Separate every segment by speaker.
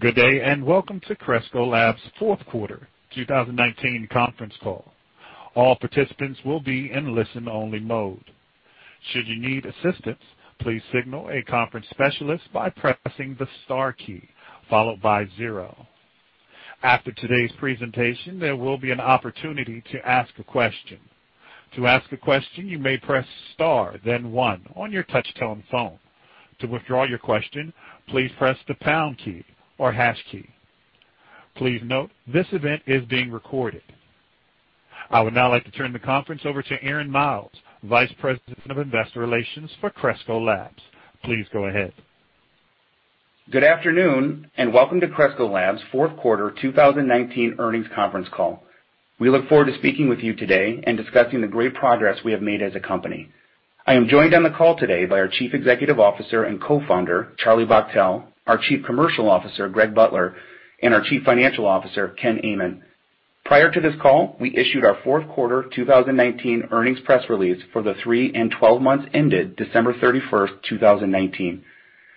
Speaker 1: Good day, and welcome to Cresco Labs' fourth quarter 2019 conference call. All participants will be in listen-only mode. Should you need assistance, please signal a conference specialist by pressing the star key, followed by zero. After today's presentation, there will be an opportunity to ask a question. To ask a question, you may press star, then one on your touch-tone phone. To withdraw your question, please press the pound key or hash key. Please note, this event is being recorded. I would now like to turn the conference over to Aaron Miles, Vice President of Investor Relations for Cresco Labs. Please go ahead.
Speaker 2: Good afternoon, and welcome to Cresco Labs' fourth quarter 2019 conference call. We look forward to speaking with you today and discussing the great progress we have made as a company. I am joined on the call today by our Chief Executive Officer and Co-founder, Charlie Bachtell, our Chief Commercial Officer, Greg Butler, and our Chief Financial Officer, Ken Amann. Prior to this call, we issued our fourth quarter 2019 press release for the three and twelve months ended December 31st, 2019.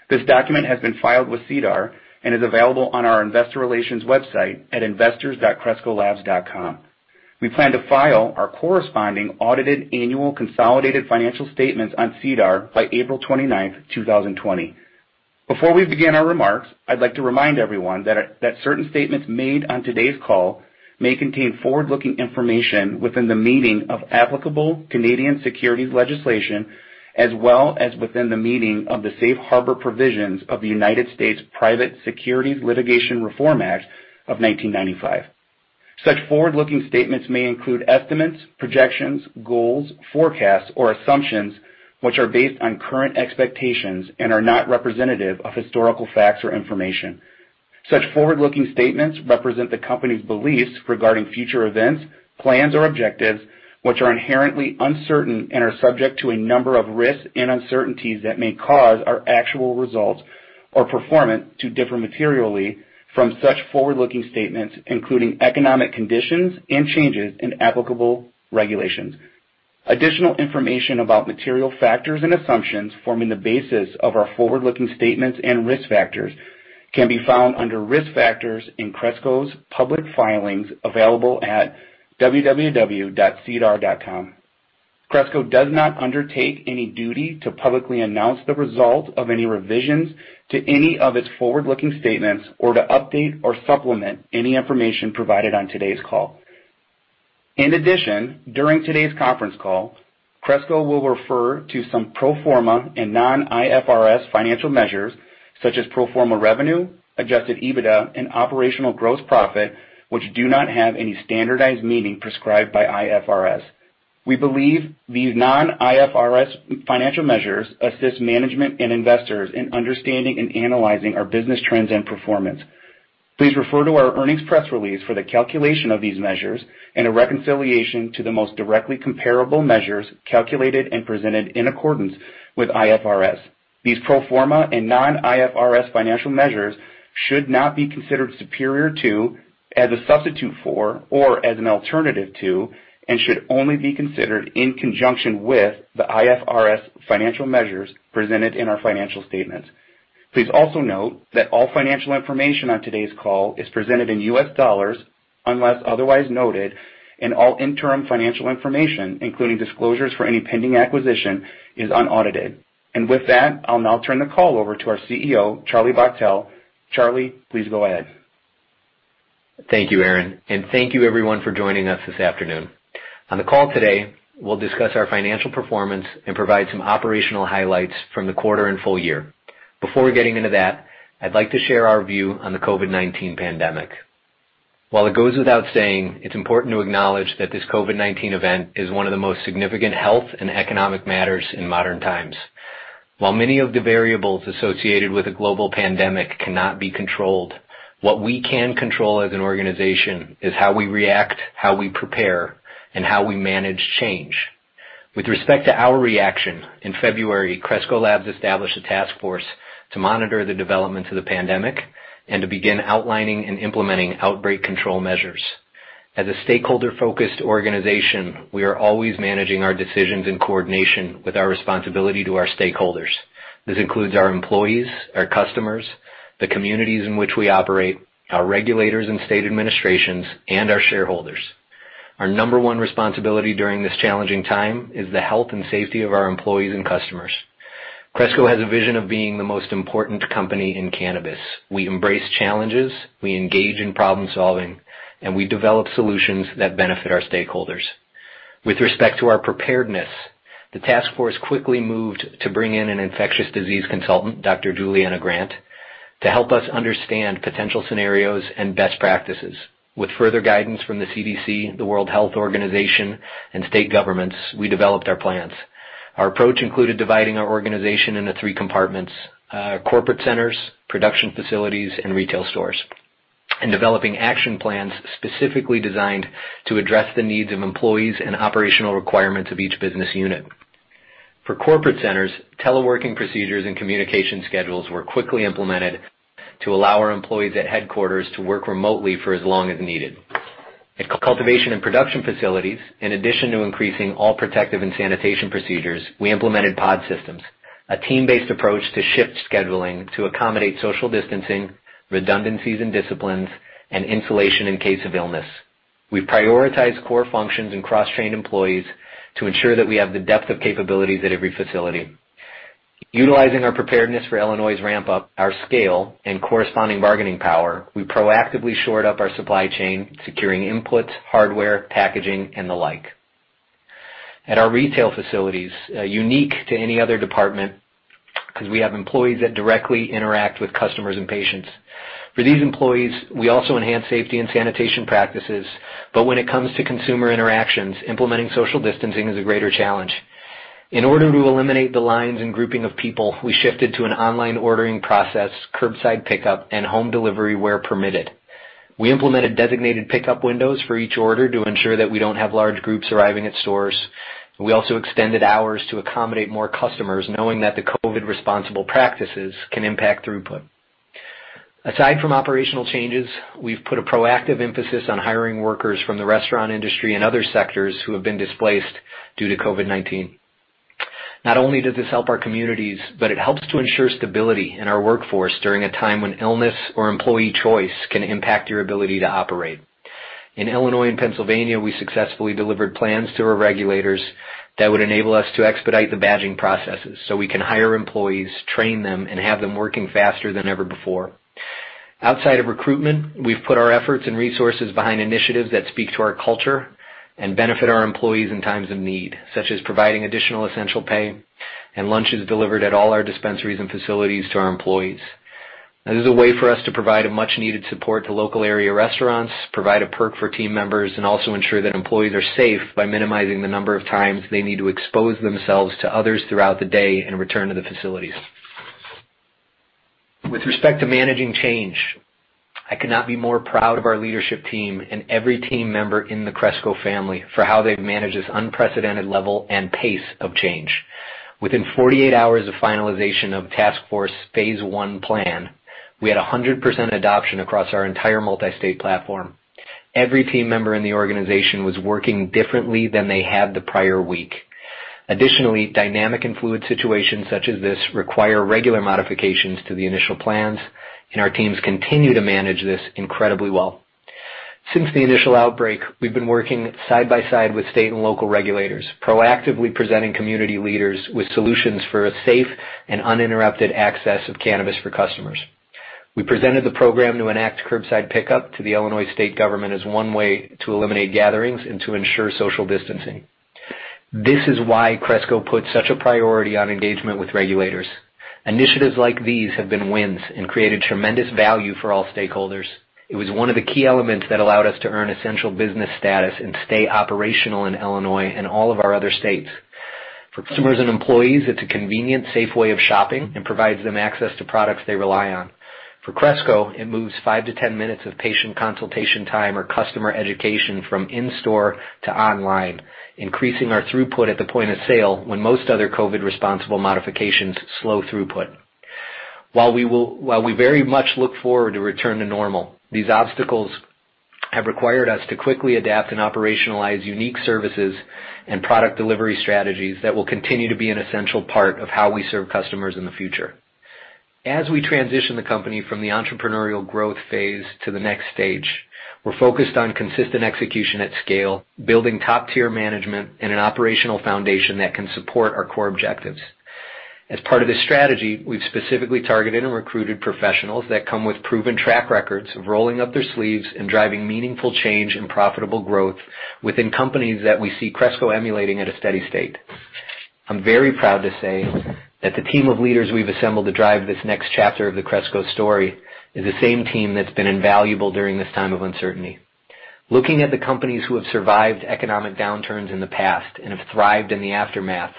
Speaker 2: This document has been filed with SEDAR and is available on our investor relations website at investors.crescolabs.com. We plan to file our corresponding audited annual consolidated financial statements on SEDAR by April 29th, 2020. Before we begin our remarks, I'd like to remind everyone that certain statements made on today's call may contain forward-looking information within the meaning of applicable Canadian securities legislation, as well as within the meaning of the Safe Harbor Provisions of the United States Private Securities Litigation Reform Act of 1995. Such forward-looking statements may include estimates, projections, goals, forecasts, or assumptions, which are based on current expectations and are not representative of historical facts or information. Such forward-looking statements represent the company's beliefs regarding future events, plans, or objectives, which are inherently uncertain and are subject to a number of risks and uncertainties that may cause our actual results or performance to differ materially from such forward-looking statements, including economic conditions and changes in applicable regulations. Additional information about material factors and assumptions forming the basis of our forward-looking statements and risk factors can be found under Risk Factors in Cresco's public filings available at www.sedar.com. Cresco does not undertake any duty to publicly announce the result of any revisions to any of its forward-looking statements or to update or supplement any information provided on today's call. In addition, during today's conference call, Cresco will refer to some pro forma and non-IFRS financial measures, such as pro forma revenue, adjusted EBITDA, and operational gross profit, which do not have any standardized meaning prescribed by IFRS. We believe these non-IFRS financial measures assist management and investors in understanding and analyzing our business trends and performance. Please refer to our earnings press release for the calculation of these measures and a reconciliation to the most directly comparable measures calculated and presented in accordance with IFRS. These pro forma and non-IFRS financial measures should not be considered superior to, as a substitute for, or as an alternative to, and should only be considered in conjunction with the IFRS financial measures presented in our financial statements. Please also note that all financial information on today's call is presented in U.S. dollars, unless otherwise noted, and all interim financial information, including disclosures for any pending acquisition, is unaudited. And with that, I'll now turn the call over to our CEO, Charlie Bachtell. Charlie, please go ahead.
Speaker 3: Thank you, Aaron, and thank you everyone for joining us this afternoon. On the call today, we'll discuss our financial performance and provide some operational highlights from the quarter and full year. Before getting into that, I'd like to share our view on the COVID-19 pandemic. While it goes without saying, it's important to acknowledge that this COVID-19 event is one of the most significant health and economic matters in modern times. While many of the variables associated with a global pandemic cannot be controlled, what we can control as an organization is how we react, how we prepare, and how we manage change. With respect to our reaction, in February, Cresco Labs established a task force to monitor the development of the pandemic and to begin outlining and implementing outbreak control measures. As a stakeholder-focused organization, we are always managing our decisions in coordination with our responsibility to our stakeholders. This includes our employees, our customers, the communities in which we operate, our regulators and state administrations, and our shareholders. Our number one responsibility during this challenging time is the health and safety of our employees and customers. Cresco has a vision of being the most important company in cannabis. We embrace challenges, we engage in problem-solving, and we develop solutions that benefit our stakeholders. With respect to our preparedness, the task force quickly moved to bring in an infectious disease consultant, Dr. Juliana Grant, to help us understand potential scenarios and best practices. With further guidance from the CDC, the World Health Organization, and state governments, we developed our plans. Our approach included dividing our organization into three compartments, corporate centers, production facilities, and retail stores, and developing action plans specifically designed to address the needs of employees and operational requirements of each business unit. For corporate centers, teleworking procedures and communication schedules were quickly implemented to allow our employees at headquarters to work remotely for as long as needed. At cultivation and production facilities, in addition to increasing all protective and sanitation procedures, we implemented pod systems, a team-based approach to shift scheduling to accommodate social distancing, redundancies in disciplines, and insulation in case of illness. We've prioritized core functions and cross-trained employees to ensure that we have the depth of capabilities at every facility. Utilizing our preparedness for Illinois' ramp up, our scale, and corresponding bargaining power, we proactively shored up our supply chain, securing inputs, hardware, packaging, and the like. At our retail facilities, unique to any other department, 'cause we have employees that directly interact with customers and patients. For these employees, we also enhance safety and sanitation practices, but when it comes to consumer interactions, implementing social distancing is a greater challenge. In order to eliminate the lines and grouping of people, we shifted to an online ordering process, curbside pickup, and home delivery where permitted. We implemented designated pickup windows for each order to ensure that we don't have large groups arriving at stores. We also extended hours to accommodate more customers, knowing that the COVID-responsible practices can impact throughput. Aside from operational changes, we've put a proactive emphasis on hiring workers from the restaurant industry and other sectors who have been displaced due to COVID-19. Not only does this help our communities, but it helps to ensure stability in our workforce during a time when illness or employee choice can impact your ability to operate. In Illinois and Pennsylvania, we successfully delivered plans to our regulators that would enable us to expedite the badging processes, so we can hire employees, train them, and have them working faster than ever before. Outside of recruitment, we've put our efforts and resources behind initiatives that speak to our culture and benefit our employees in times of need, such as providing additional essential pay and lunches delivered at all our dispensaries and facilities to our employees. This is a way for us to provide a much-needed support to local area restaurants, provide a perk for team members, and also ensure that employees are safe by minimizing the number of times they need to expose themselves to others throughout the day and return to the facilities. With respect to managing change, I could not be more proud of our leadership team and every team member in the Cresco family for how they've managed this unprecedented level and pace of change. Within 48 hours of finalization of task force phase one plan, we had 100% adoption across our entire multi-state platform. Every team member in the organization was working differently than they had the prior week. Additionally, dynamic and fluid situations such as this require regular modifications to the initial plans, and our teams continue to manage this incredibly well. Since the initial outbreak, we've been working side by side with state and local regulators, proactively presenting community leaders with solutions for a safe and uninterrupted access of cannabis for customers. We presented the program to enact curbside pickup to the Illinois state government as one way to eliminate gatherings and to ensure social distancing. This is why Cresco puts such a priority on engagement with regulators. Initiatives like these have been wins and created tremendous value for all stakeholders. It was one of the key elements that allowed us to earn essential business status and stay operational in Illinois and all of our other states. For consumers and employees, it's a convenient, safe way of shopping and provides them access to products they rely on. For Cresco, it moves five to 10 minutes of patient consultation time or customer education from in-store to online, increasing our throughput at the point of sale when most other COVID-responsible modifications slow throughput. While we very much look forward to return to normal, these obstacles have required us to quickly adapt and operationalize unique services and product delivery strategies that will continue to be an essential part of how we serve customers in the future. As we transition the company from the entrepreneurial growth phase to the next stage, we're focused on consistent execution at scale, building top-tier management and an operational foundation that can support our core objectives. As part of this strategy, we've specifically targeted and recruited professionals that come with proven track records of rolling up their sleeves and driving meaningful change and profitable growth within companies that we see Cresco emulating at a steady state. I'm very proud to say that the team of leaders we've assembled to drive this next chapter of the Cresco story is the same team that's been invaluable during this time of uncertainty. Looking at the companies who have survived economic downturns in the past and have thrived in the aftermath,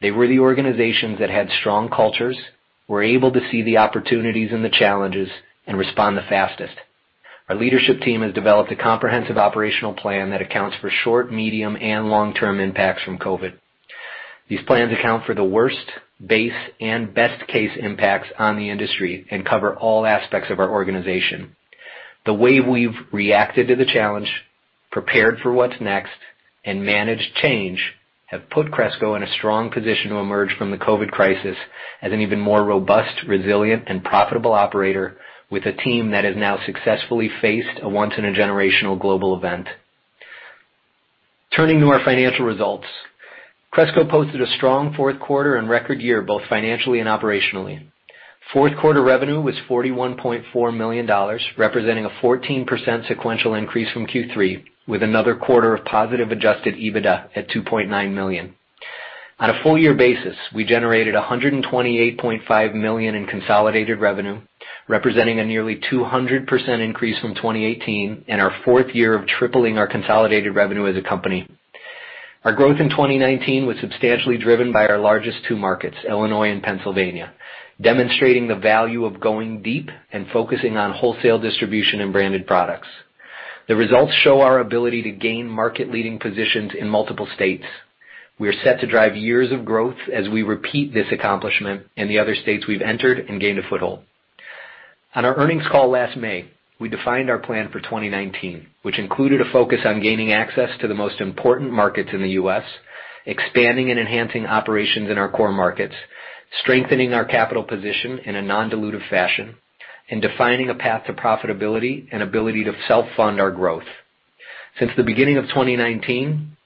Speaker 3: they were the organizations that had strong cultures, were able to see the opportunities and the challenges, and respond the fastest. Our leadership team has developed a comprehensive operational plan that accounts for short, medium, and long-term impacts from COVID-19. These plans account for the worst, base, and best-case impacts on the industry and cover all aspects of our organization. The way we've reacted to the challenge, prepared for what's next, and managed change, have put Cresco in a strong position to emerge from the COVID crisis as an even more robust, resilient, and profitable operator with a team that has now successfully faced a once-in-a-generational global event. Turning to our financial results. Cresco posted a strong fourth quarter and record year, both financially and operationally. Fourth quarter revenue was $41.4 million, representing a 14% sequential increase from Q3, with another quarter of positive adjusted EBITDA at $2.9 million. On a full year basis, we generated $128.5 million in consolidated revenue, representing a nearly 200% increase from 2018, and our fourth year of tripling our consolidated revenue as a company. Our growth in 2019 was substantially driven by our largest two markets, Illinois and Pennsylvania, demonstrating the value of going deep and focusing on wholesale distribution and branded products. The results show our ability to gain market-leading positions in multiple states. We are set to drive years of growth as we repeat this accomplishment in the other states we've entered and gained a foothold. On our earnings call last May, we defined our plan for 2019, which included a focus on gaining access to the most important markets in the U.S., expanding and enhancing operations in our core markets, strengthening our capital position in a non-dilutive fashion, and defining a path to profitability and ability to self-fund our growth. Since the beginning of 2019,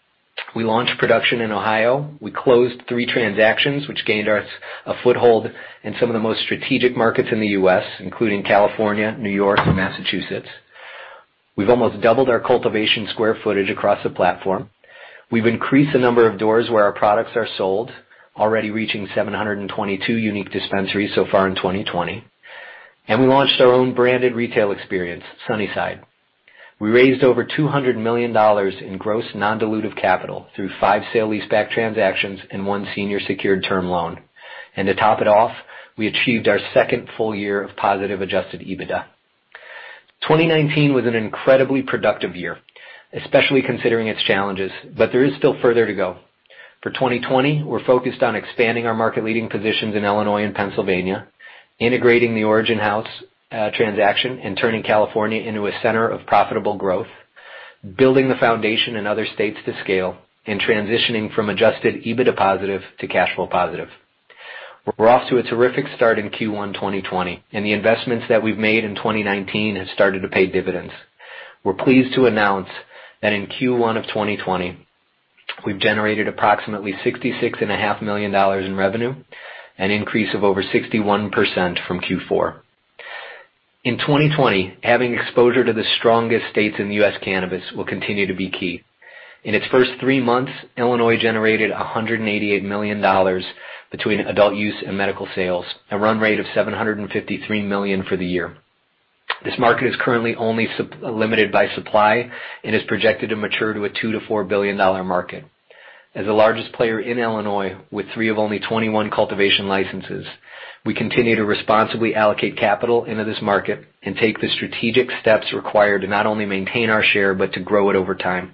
Speaker 3: we launched production in Ohio. We closed three transactions, which gained us a foothold in some of the most strategic markets in the U.S., including California, New York, and Massachusetts. We've almost doubled our cultivation square footage across the platform. We've increased the number of doors where our products are sold, already reaching 722 unique dispensaries so far in 2020, and we launched our own branded retail experience, Sunnyside. We raised over $200 million in gross non-dilutive capital through five sale-leaseback transactions and one senior secured term loan, and to top it off, we achieved our second full year of positive Adjusted EBITDA. 2019 was an incredibly productive year, especially considering its challenges, but there is still further to go. For 2020, we're focused on expanding our market-leading positions in Illinois and Pennsylvania, integrating the Origin House transaction, and turning California into a center of profitable growth, building the foundation in other states to scale, and transitioning from Adjusted EBITDA positive to cash flow positive. We're off to a terrific start in Q1 2020, and the investments that we've made in 2019 have started to pay dividends. We're pleased to announce that in Q1 of 2020, we've generated approximately $66.5 million in revenue, an increase of over 61% from Q4. In 2020, having exposure to the strongest states in U.S. cannabis will continue to be key. In its first three months, Illinois generated $188 million between adult use and medical sales, a run rate of $753 million for the year. This market is currently only supply-limited by supply and is projected to mature to a $2 billion-$4 billion market. As the largest player in Illinois, with three of only 21 cultivation licenses, we continue to responsibly allocate capital into this market and take the strategic steps required to not only maintain our share, but to grow it over time.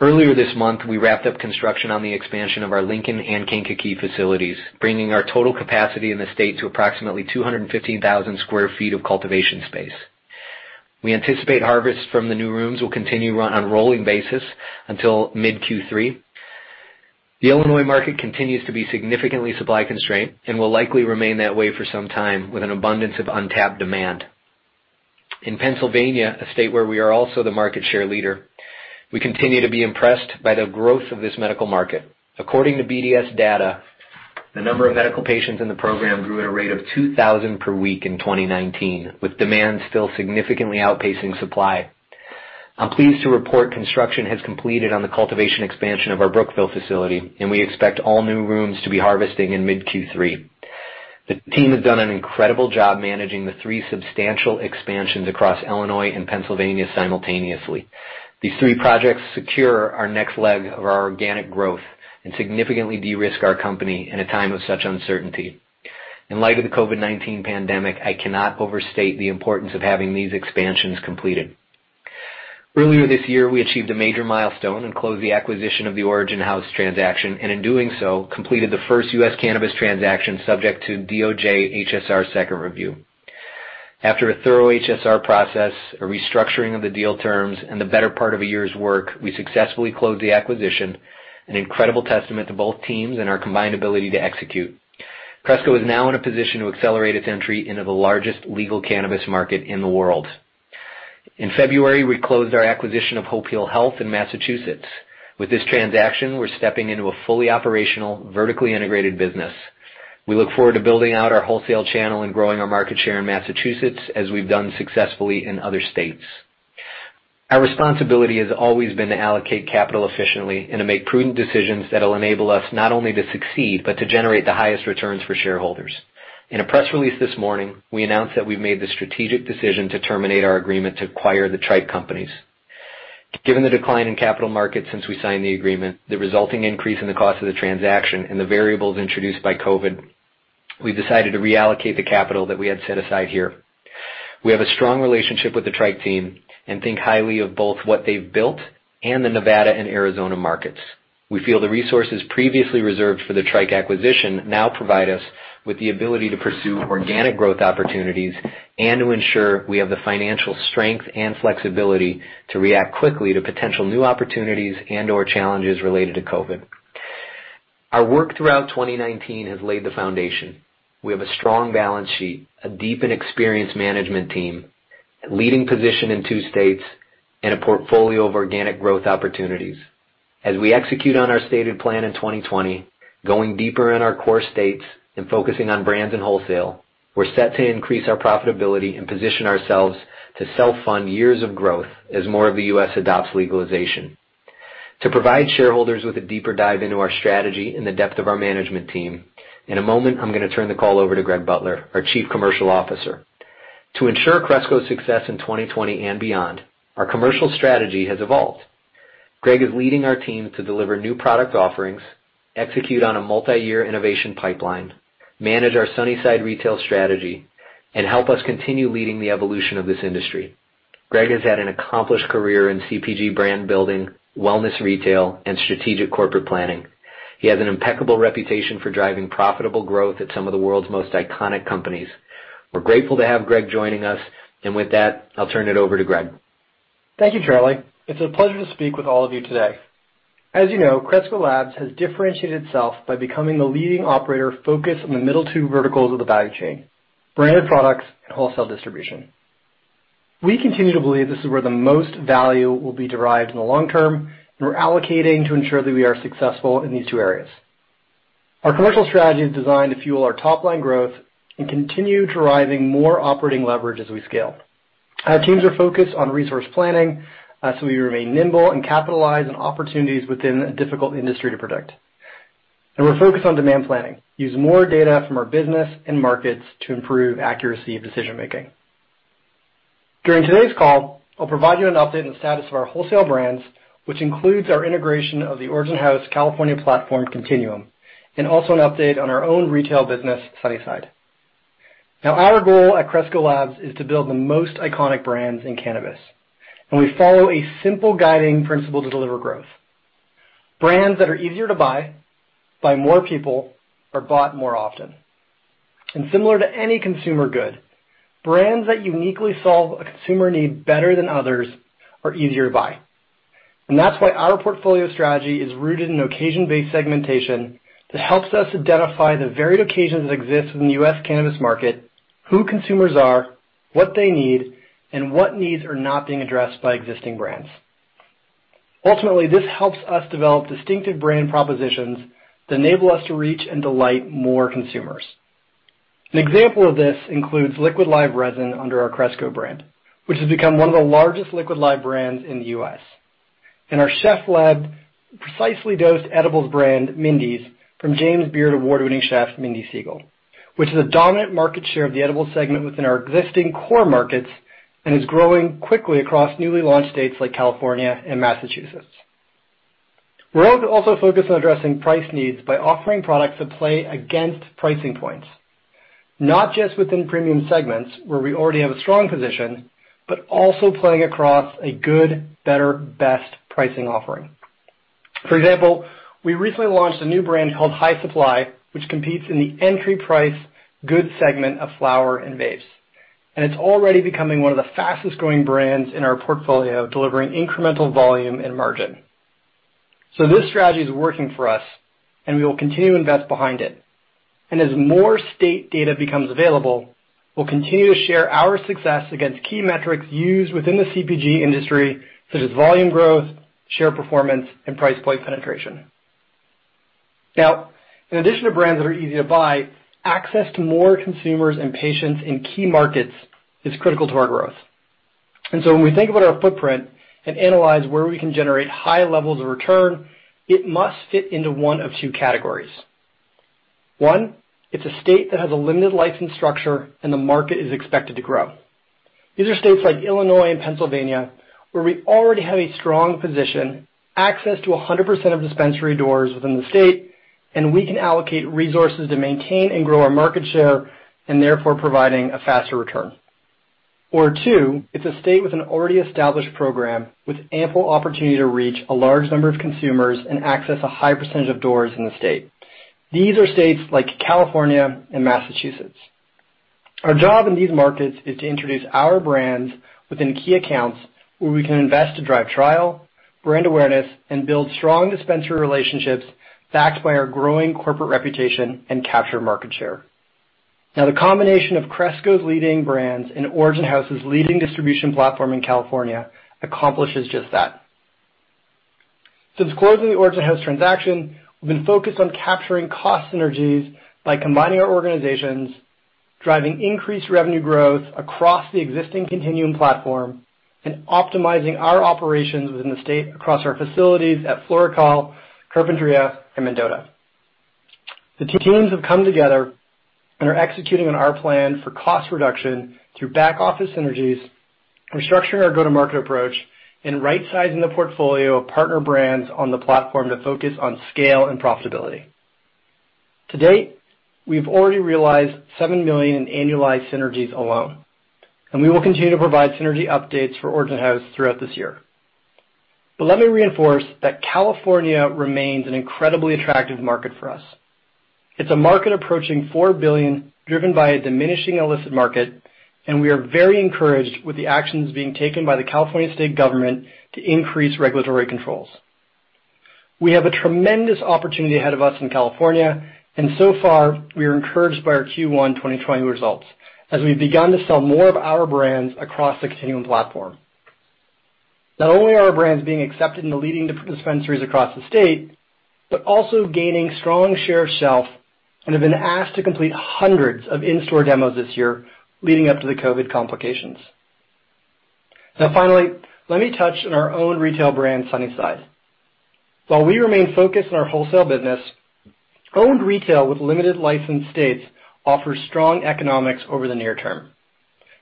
Speaker 3: Earlier this month, we wrapped up construction on the expansion of our Lincoln and Kankakee facilities, bringing our total capacity in the state to approximately 215,000 sq ft of cultivation space. We anticipate harvests from the new rooms will continue run on a rolling basis until mid-Q3. The Illinois market continues to be significantly supply constrained and will likely remain that way for some time with an abundance of untapped demand. In Pennsylvania, a state where we are also the market share leader, we continue to be impressed by the growth of this medical market. According to BDS data, the number of medical patients in the program grew at a rate of two thousand per week in 2019, with demand still significantly outpacing supply. I'm pleased to report construction has completed on the cultivation expansion of our Brookville facility, and we expect all new rooms to be harvesting in mid-Q3. The team has done an incredible job managing the three substantial expansions across Illinois and Pennsylvania simultaneously. These three projects secure our next leg of our organic growth and significantly de-risk our company in a time of such uncertainty. In light of the COVID-19 pandemic, I cannot overstate the importance of having these expansions completed. Earlier this year, we achieved a major milestone and closed the acquisition of the Origin House transaction, and in doing so, completed the first U.S. cannabis transaction subject to DOJ HSR second review. After a thorough HSR process, a restructuring of the deal terms, and the better part of a year's work, we successfully closed the acquisition, an incredible testament to both teams and our combined ability to execute. Cresco is now in a position to accelerate its entry into the largest legal cannabis market in the world. In February, we closed our acquisition of Hope Heal Health in Massachusetts. With this transaction, we're stepping into a fully operational, vertically integrated business. We look forward to building out our wholesale channel and growing our market share in Massachusetts, as we've done successfully in other states. Our responsibility has always been to allocate capital efficiently and to make prudent decisions that will enable us not only to succeed, but to generate the highest returns for shareholders. In a press release this morning, we announced that we've made the strategic decision to terminate our agreement to acquire the Tryke Companies. Given the decline in capital markets since we signed the agreement, the resulting increase in the cost of the transaction and the variables introduced by COVID, we've decided to reallocate the capital that we had set aside here. We have a strong relationship with the Tryke team and think highly of both what they've built and the Nevada and Arizona markets. We feel the resources previously reserved for the Tryke acquisition now provide us with the ability to pursue organic growth opportunities and to ensure we have the financial strength and flexibility to react quickly to potential new opportunities and/or challenges related to COVID. Our work throughout 2019 has laid the foundation. We have a strong balance sheet, a deep and experienced management team, a leading position in two states, and a portfolio of organic growth opportunities. As we execute on our stated plan in 2020, going deeper in our core states and focusing on brands and wholesale, we're set to increase our profitability and position ourselves to self-fund years of growth as more of the US adopts legalization. To provide shareholders with a deeper dive into our strategy and the depth of our management team, in a moment, I'm gonna turn the call over to Greg Butler, our Chief Commercial Officer. To ensure Cresco's success in 2020 and beyond, our commercial strategy has evolved. Greg is leading our team to deliver new product offerings, execute on a multi-year innovation pipeline, manage our Sunnyside retail strategy, and help us continue leading the evolution of this industry. Greg has had an accomplished career in CPG brand building, wellness, retail, and strategic corporate planning. He has an impeccable reputation for driving profitable growth at some of the world's most iconic companies. We're grateful to have Greg joining us, and with that, I'll turn it over to Greg.
Speaker 4: Thank you, Charlie. It's a pleasure to speak with all of you today. As you know, Cresco Labs has differentiated itself by becoming the leading operator focused on the middle two verticals of the value chain, branded products and wholesale distribution. We continue to believe this is where the most value will be derived in the long term, and we're allocating to ensure that we are successful in these two areas. Our commercial strategy is designed to fuel our top-line growth and continue deriving more operating leverage as we scale. Our teams are focused on resource planning, so we remain nimble and capitalize on opportunities within a difficult industry to predict, and we're focused on demand planning, use more data from our business and markets to improve accuracy and decision-making. During today's call, I'll provide you an update on the status of our wholesale brands, which includes our integration of the Origin House California platform Continuum, and also an update on our own retail business, Sunnyside. Now, our goal at Cresco Labs is to build the most iconic brands in cannabis, and we follow a simple guiding principle to deliver growth. Brands that are easier to buy, by more people, are bought more often. And similar to any consumer good, brands that uniquely solve a consumer need better than others are easier to buy. And that's why our portfolio strategy is rooted in occasion-based segmentation that helps us identify the varied occasions that exist in the U.S. cannabis market, who consumers are, what they need, and what needs are not being addressed by existing brands. Ultimately, this helps us develop distinctive brand propositions that enable us to reach and delight more consumers. An example of this includes liquid live resin under our Cresco brand, which has become one of the largest liquid live brands in the U.S., and our chef-led, precisely dosed edibles brand, Mindy's, from James Beard Award-winning chef, Mindy Segal, which is a dominant market share of the edibles segment within our existing core markets and is growing quickly across newly launched states like California and Massachusetts. We're also focused on addressing price needs by offering products that play against pricing points, not just within premium segments, where we already have a strong position, but also playing across a good, better, best pricing offering. For example, we recently launched a new brand called High Supply, which competes in the entry price, good segment of flower and vapes, and it's already becoming one of the fastest-growing brands in our portfolio, delivering incremental volume and margin. So this strategy is working for us, and we will continue to invest behind it. And as more state data becomes available, we'll continue to share our success against key metrics used within the CPG industry, such as volume growth, share performance, and price point penetration. Now, in addition to brands that are easy to buy, access to more consumers and patients in key markets is critical to our growth. And so when we think about our footprint and analyze where we can generate high levels of return, it must fit into one of two categories. One, it's a state that has a limited license structure, and the market is expected to grow. These are states like Illinois and Pennsylvania, where we already have a strong position, access to 100% of dispensary doors within the state, and we can allocate resources to maintain and grow our market share, and therefore, providing a faster return. Or two, it's a state with an already established program, with ample opportunity to reach a large number of consumers and access a high percentage of doors in the state. These are states like California and Massachusetts. Our job in these markets is to introduce our brands within key accounts where we can invest to drive trial, brand awareness, and build strong dispensary relationships backed by our growing corporate reputation and capture market share. Now, the combination of Cresco's leading brands and Origin House's leading distribution platform in California accomplishes just that. Since closing the Origin House transaction, we've been focused on capturing cost synergies by combining our organizations, driving increased revenue growth across the existing Continuum platform, and optimizing our operations within the state across our facilities at FloraCal, Carpinteria, and Mendota. The two teams have come together and are executing on our plan for cost reduction through back-office synergies, restructuring our go-to-market approach, and right-sizing the portfolio of partner brands on the platform to focus on scale and profitability. To date, we've already realized $7 million in annualized synergies alone, and we will continue to provide synergy updates for Origin House throughout this year. But let me reinforce that California remains an incredibly attractive market for us. It's a market approaching $4 billion, driven by a diminishing illicit market, and we are very encouraged with the actions being taken by the California state government to increase regulatory controls. We have a tremendous opportunity ahead of us in California, and so far, we are encouraged by our Q1 2020 results as we've begun to sell more of our brands across the Continuum platform. Not only are our brands being accepted in the leading dispensaries across the state, but also gaining strong share of shelf and have been asked to complete hundreds of in-store demos this year, leading up to the COVID complications. Now, finally, let me touch on our own retail brand, Sunnyside. While we remain focused on our wholesale business, owned retail with limited licensed states offers strong economics over the near term.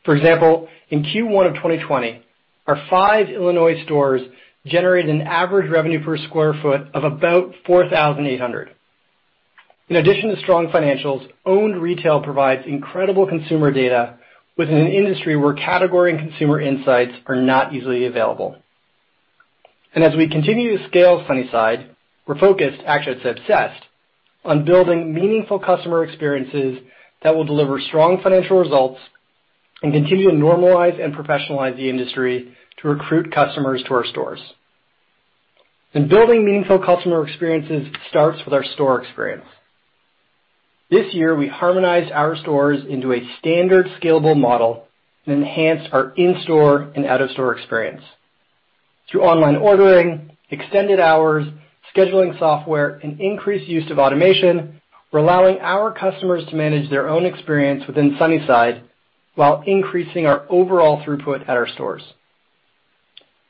Speaker 4: For example, in Q1 of 2020, our five Illinois stores generated an average revenue per sq ft of about $4,800. In addition to strong financials, owned retail provides incredible consumer data within an industry where category and consumer insights are not easily available. And as we continue to scale Sunnyside, we're focused, actually, I'd say obsessed, on building meaningful customer experiences that will deliver strong financial results and continue to normalize and professionalize the industry to recruit customers to our stores. And building meaningful customer experiences starts with our store experience. This year, we harmonized our stores into a standard scalable model and enhanced our in-store and out-of-store experience. Through online ordering, extended hours, scheduling software, and increased use of automation, we're allowing our customers to manage their own experience within Sunnyside while increasing our overall throughput at our stores.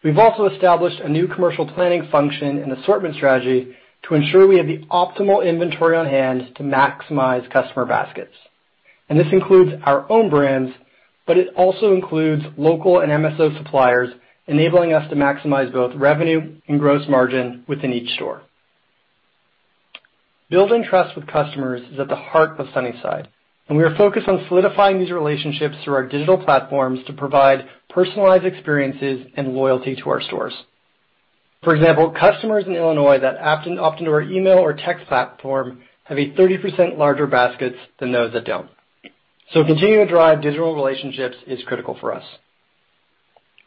Speaker 4: We've also established a new commercial planning function and assortment strategy to ensure we have the optimal inventory on hand to maximize customer baskets, and this includes our own brands, but it also includes local and MSO suppliers, enabling us to maximize both revenue and gross margin within each store. Building trust with customers is at the heart of Sunnyside, and we are focused on solidifying these relationships through our digital platforms to provide personalized experiences and loyalty to our stores. For example, customers in Illinois that opt into our email or text platform have a 30% larger baskets than those that don't. So continuing to drive digital relationships is critical for us.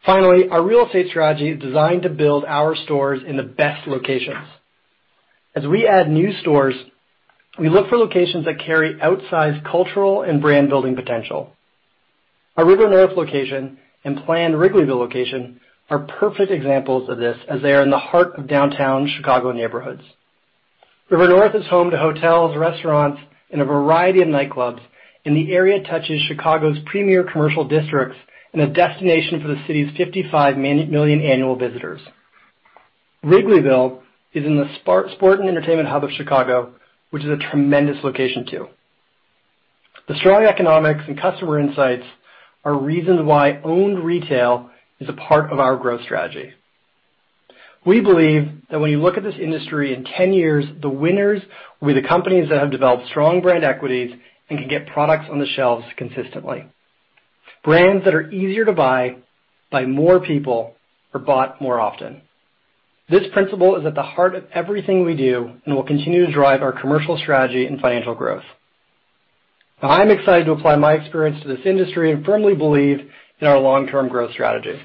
Speaker 4: Finally, our real estate strategy is designed to build our stores in the best locations. As we add new stores, we look for locations that carry outsized cultural and brand-building potential. Our River North location and planned Wrigleyville location are perfect examples of this, as they are in the heart of downtown Chicago neighborhoods. River North is home to hotels, restaurants, and a variety of nightclubs, and the area touches Chicago's premier commercial districts and a destination for the city's 55 million annual visitors. Wrigleyville is in the sport and entertainment hub of Chicago, which is a tremendous location, too. The strong economics and customer insights are reasons why owned retail is a part of our growth strategy. We believe that when you look at this industry in ten years, the winners will be the companies that have developed strong brand equities and can get products on the shelves consistently. Brands that are easier to buy, by more people, are bought more often. This principle is at the heart of everything we do, and will continue to drive our commercial strategy and financial growth. Now, I'm excited to apply my experience to this industry and firmly believe in our long-term growth strategy.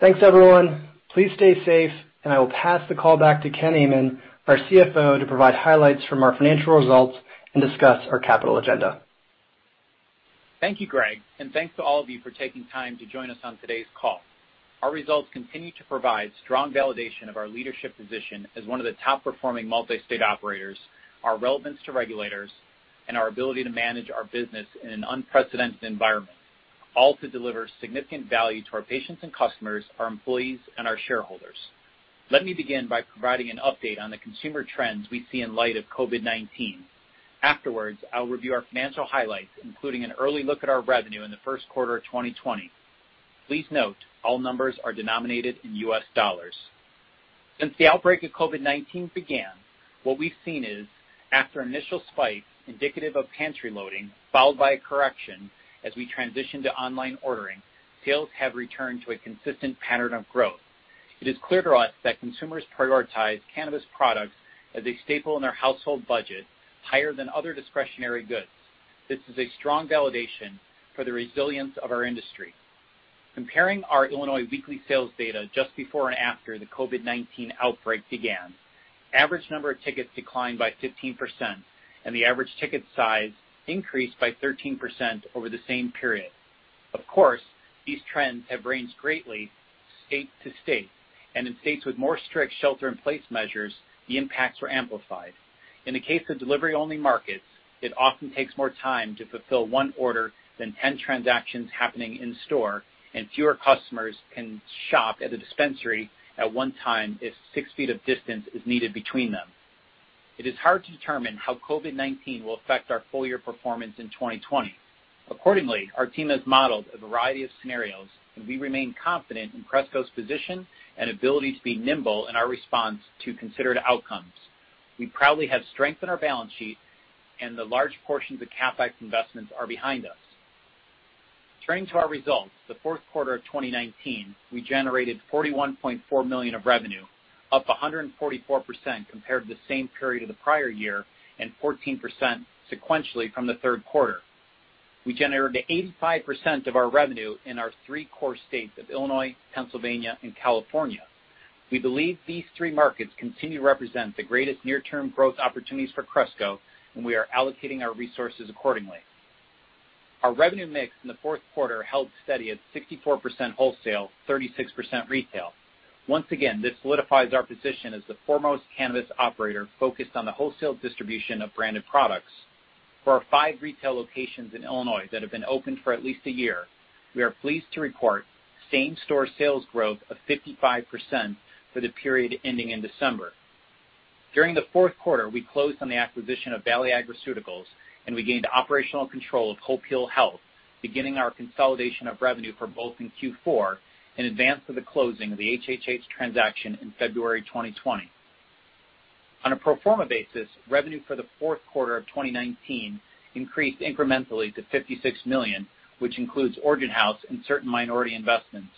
Speaker 4: Thanks, everyone. Please stay safe, and I will pass the call back to Ken Amann, our CFO, to provide highlights from our financial results and discuss our capital agenda.
Speaker 5: Thank you, Greg, and thanks to all of you for taking time to join us on today's call. Our results continue to provide strong validation of our leadership position as one of the top-performing multi-state operators, our relevance to regulators, and our ability to manage our business in an unprecedented environment, all to deliver significant value to our patients and customers, our employees, and our shareholders. Let me begin by providing an update on the consumer trends we see in light of COVID-19. Afterwards, I'll review our financial highlights, including an early look at our revenue in the first quarter of 2020. Please note, all numbers are denominated in U.S. dollars. Since the outbreak of COVID-19 began, what we've seen is, after an initial spike indicative of pantry loading, followed by a correction as we transitioned to online ordering, sales have returned to a consistent pattern of growth. It is clear to us that consumers prioritize cannabis products as a staple in their household budget higher than other discretionary goods. This is a strong validation for the resilience of our industry. Comparing our Illinois weekly sales data just before and after the COVID-19 outbreak began, average number of tickets declined by 15%, and the average ticket size increased by 13% over the same period. Of course, these trends have ranged greatly state to state, and in states with more strict shelter-in-place measures, the impacts were amplified. In the case of delivery-only markets, it often takes more time to fulfill one order than 10 transactions happening in store, and fewer customers can shop at a dispensary at one time if 6 feet of distance is needed between them. It is hard to determine how COVID-19 will affect our full-year performance in 2020. Accordingly, our team has modeled a variety of scenarios, and we remain confident in Cresco's position and ability to be nimble in our response to considered outcomes. We proudly have strength in our balance sheet, and the large portions of CapEx investments are behind us. Turning to our results, the fourth quarter of 2019, we generated $41.4 million of revenue, up 144% compared to the same period of the prior year, and 14% sequentially from the third quarter. We generated 85% of our revenue in our three-core states of Illinois, Pennsylvania, and California. We believe these three markets continue to represent the greatest near-term growth opportunities for Cresco, and we are allocating our resources accordingly. Our revenue mix in the fourth quarter held steady at 64% wholesale, 36% retail. Once again, this solidifies our position as the foremost cannabis operator focused on the wholesale distribution of branded products. For our five retail locations in Illinois that have been open for at least a year, we are pleased to report same-store sales growth of 55% for the period ending in December. During the fourth quarter, we closed on the acquisition of Valley Agriceuticals, and we gained operational control of Hope Heal Health, beginning our consolidation of revenue for both in Q4 in advance of the closing of the HHH transaction in February 2020. On a pro forma basis, revenue for the fourth quarter of 2019 increased incrementally to $56 million, which includes Origin House and certain minority investments.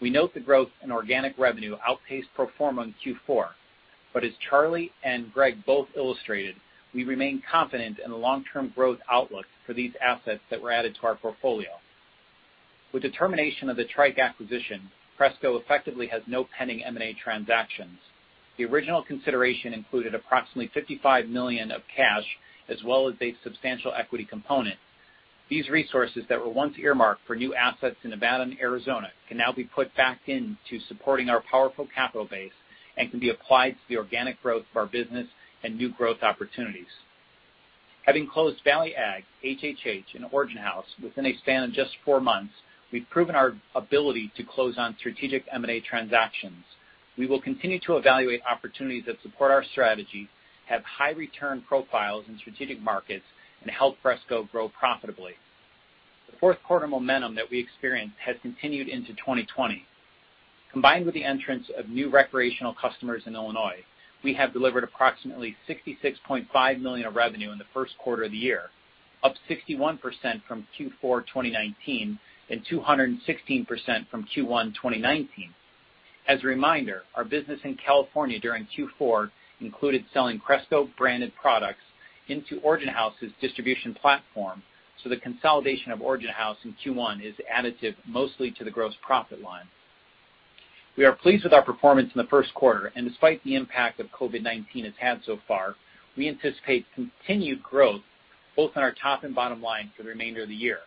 Speaker 5: We note the growth in organic revenue outpaced pro forma in Q4, but as Charlie and Greg both illustrated, we remain confident in the long-term growth outlook for these assets that were added to our portfolio. With the termination of the Tryke acquisition, Cresco effectively has no pending M&A transactions. The original consideration included approximately $55 million of cash, as well as a substantial equity component. These resources that were once earmarked for new assets in Nevada and Arizona can now be put back into supporting our powerful capital base and can be applied to the organic growth of our business and new growth opportunities. Having closed Valley Ag, HHH, and Origin House within a span of just four months, we've proven our ability to close on strategic M&A transactions. We will continue to evaluate opportunities that support our strategy, have high return profiles in strategic markets, and help Cresco grow profitably. The fourth quarter momentum that we experienced has continued into 2020. Combined with the entrance of new recreational customers in Illinois, we have delivered approximately $66.5 million of revenue in the first quarter of the year, up 61% from Q4 2019 and 216% from Q1 2019. As a reminder, our business in California during Q4 included selling Cresco-branded products into Origin House's distribution platform, so the consolidation of Origin House in Q1 is additive mostly to the gross profit line. We are pleased with our performance in the first quarter, and despite the impact that COVID-19 has had so far, we anticipate continued growth both on our top and bottom line for the remainder of the year.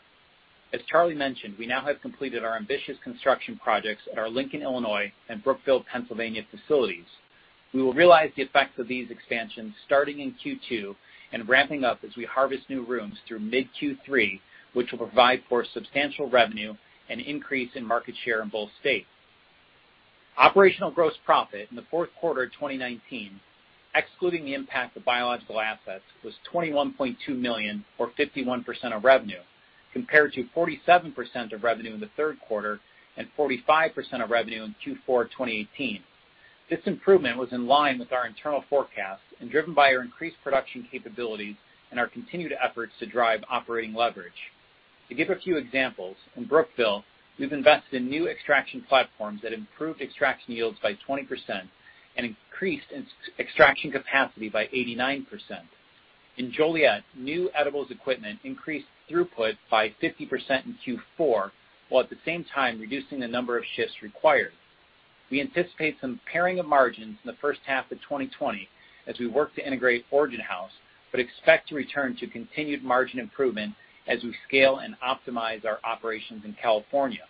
Speaker 5: As Charlie mentioned, we now have completed our ambitious construction projects at our Lincoln, Illinois, and Brookville, Pennsylvania, facilities. We will realize the effects of these expansions starting in Q2 and ramping up as we harvest new rooms through mid-Q3, which will provide for substantial revenue and increase in market share in both states. Operational gross profit in the fourth quarter of 2019, excluding the impact of biological assets, was $21.2 million, or 51% of revenue, compared to 47% of revenue in the third quarter and 45% of revenue in Q4 2018. This improvement was in line with our internal forecast and driven by our increased production capabilities and our continued efforts to drive operating leverage. To give a few examples, in Brookville, we've invested in new extraction platforms that improved extraction yields by 20% and increased extraction capacity by 89%. In Joliet, new edibles equipment increased throughput by 50% in Q4, while at the same time reducing the number of shifts required. We anticipate some paring of margins in the first half of 2020 as we work to integrate Origin House but expect to return to continued margin improvement as we scale and optimize our operations in California.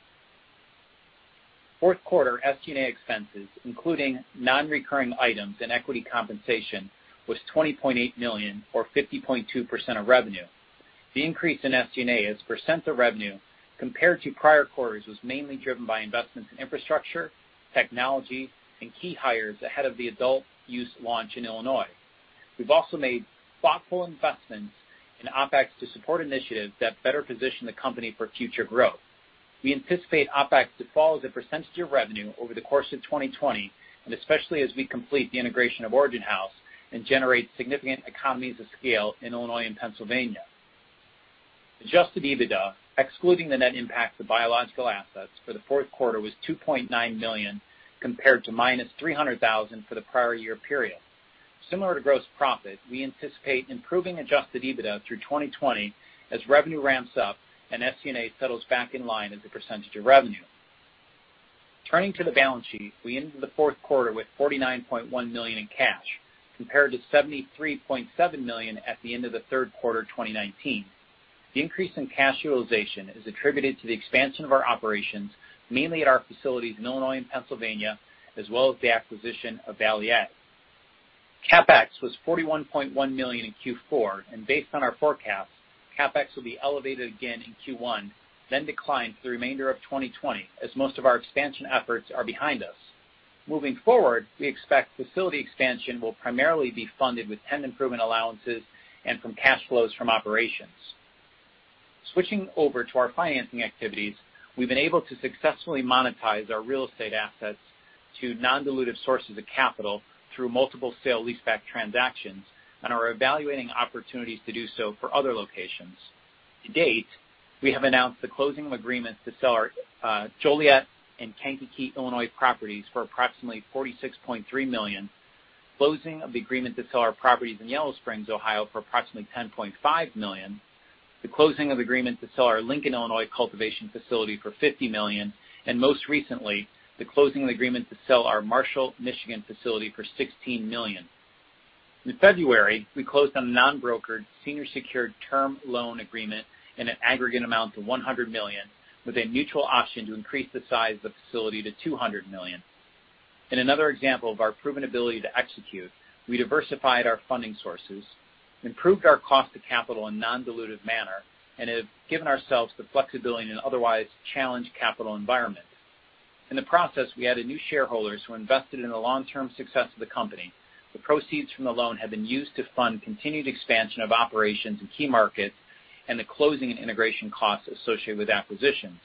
Speaker 5: Fourth quarter SG&A expenses, including non-recurring items and equity compensation, was $20.8 million, or 50.2% of revenue. The increase in SG&A as a percent of revenue compared to prior quarters, was mainly driven by investments in infrastructure, technology, and key hires ahead of the adult use launch in Illinois. We've also made thoughtful investments in OpEx to support initiatives that better position the company for future growth. We anticipate OpEx to fall as a percentage of revenue over the course of 2020, and especially as we complete the integration of Origin House and generate significant economies of scale in Illinois and Pennsylvania. Adjusted EBITDA, excluding the net impact of biological assets for the fourth quarter, was $2.9 million, compared to -$300,000 for the prior year period. Similar to gross profit, we anticipate improving adjusted EBITDA through 2020 as revenue ramps up and SG&A settles back in line as a percentage of revenue. Turning to the balance sheet, we ended the fourth quarter with $49.1 million in cash, compared to $73.7 million at the end of the third quarter 2019. The increase in cash utilization is attributed to the expansion of our operations, mainly at our facilities in Illinois and Pennsylvania, as well as the acquisition of Valley Agriceuticals. CapEx was $41.1 million in Q4, and based on our forecasts, CapEx will be elevated again in Q1, then decline for the remainder of 2020 as most of our expansion efforts are behind us. Moving forward, we expect facility expansion will primarily be funded with tenant improvement allowances and from cash flows from operations. Switching over to our financing activities, we've been able to successfully monetize our real estate assets to non-dilutive sources of capital through multiple sale-leaseback transactions and are evaluating opportunities to do so for other locations. To date, we have announced the closing of agreements to sell our Joliet and Kankakee, Illinois, properties for approximately $46.3 million, closing of the agreement to sell our properties in Yellow Springs, Ohio, for approximately $10.5 million, the closing of the agreement to sell our Lincoln, Illinois, cultivation facility for $50 million, and most recently, the closing of the agreement to sell our Marshall, Michigan, facility for $16 million. In February, we closed on a non-brokered senior secured term loan agreement in an aggregate amount to $100 million, with a mutual option to increase the size of the facility to $200 million. In another example of our proven ability to execute, we diversified our funding sources, improved our cost of capital in a non-dilutive manner, and have given ourselves the flexibility in an otherwise challenged capital environment. In the process, we added new shareholders who invested in the long-term success of the company. The proceeds from the loan have been used to fund continued expansion of operations in key markets and the closing and integration costs associated with acquisitions.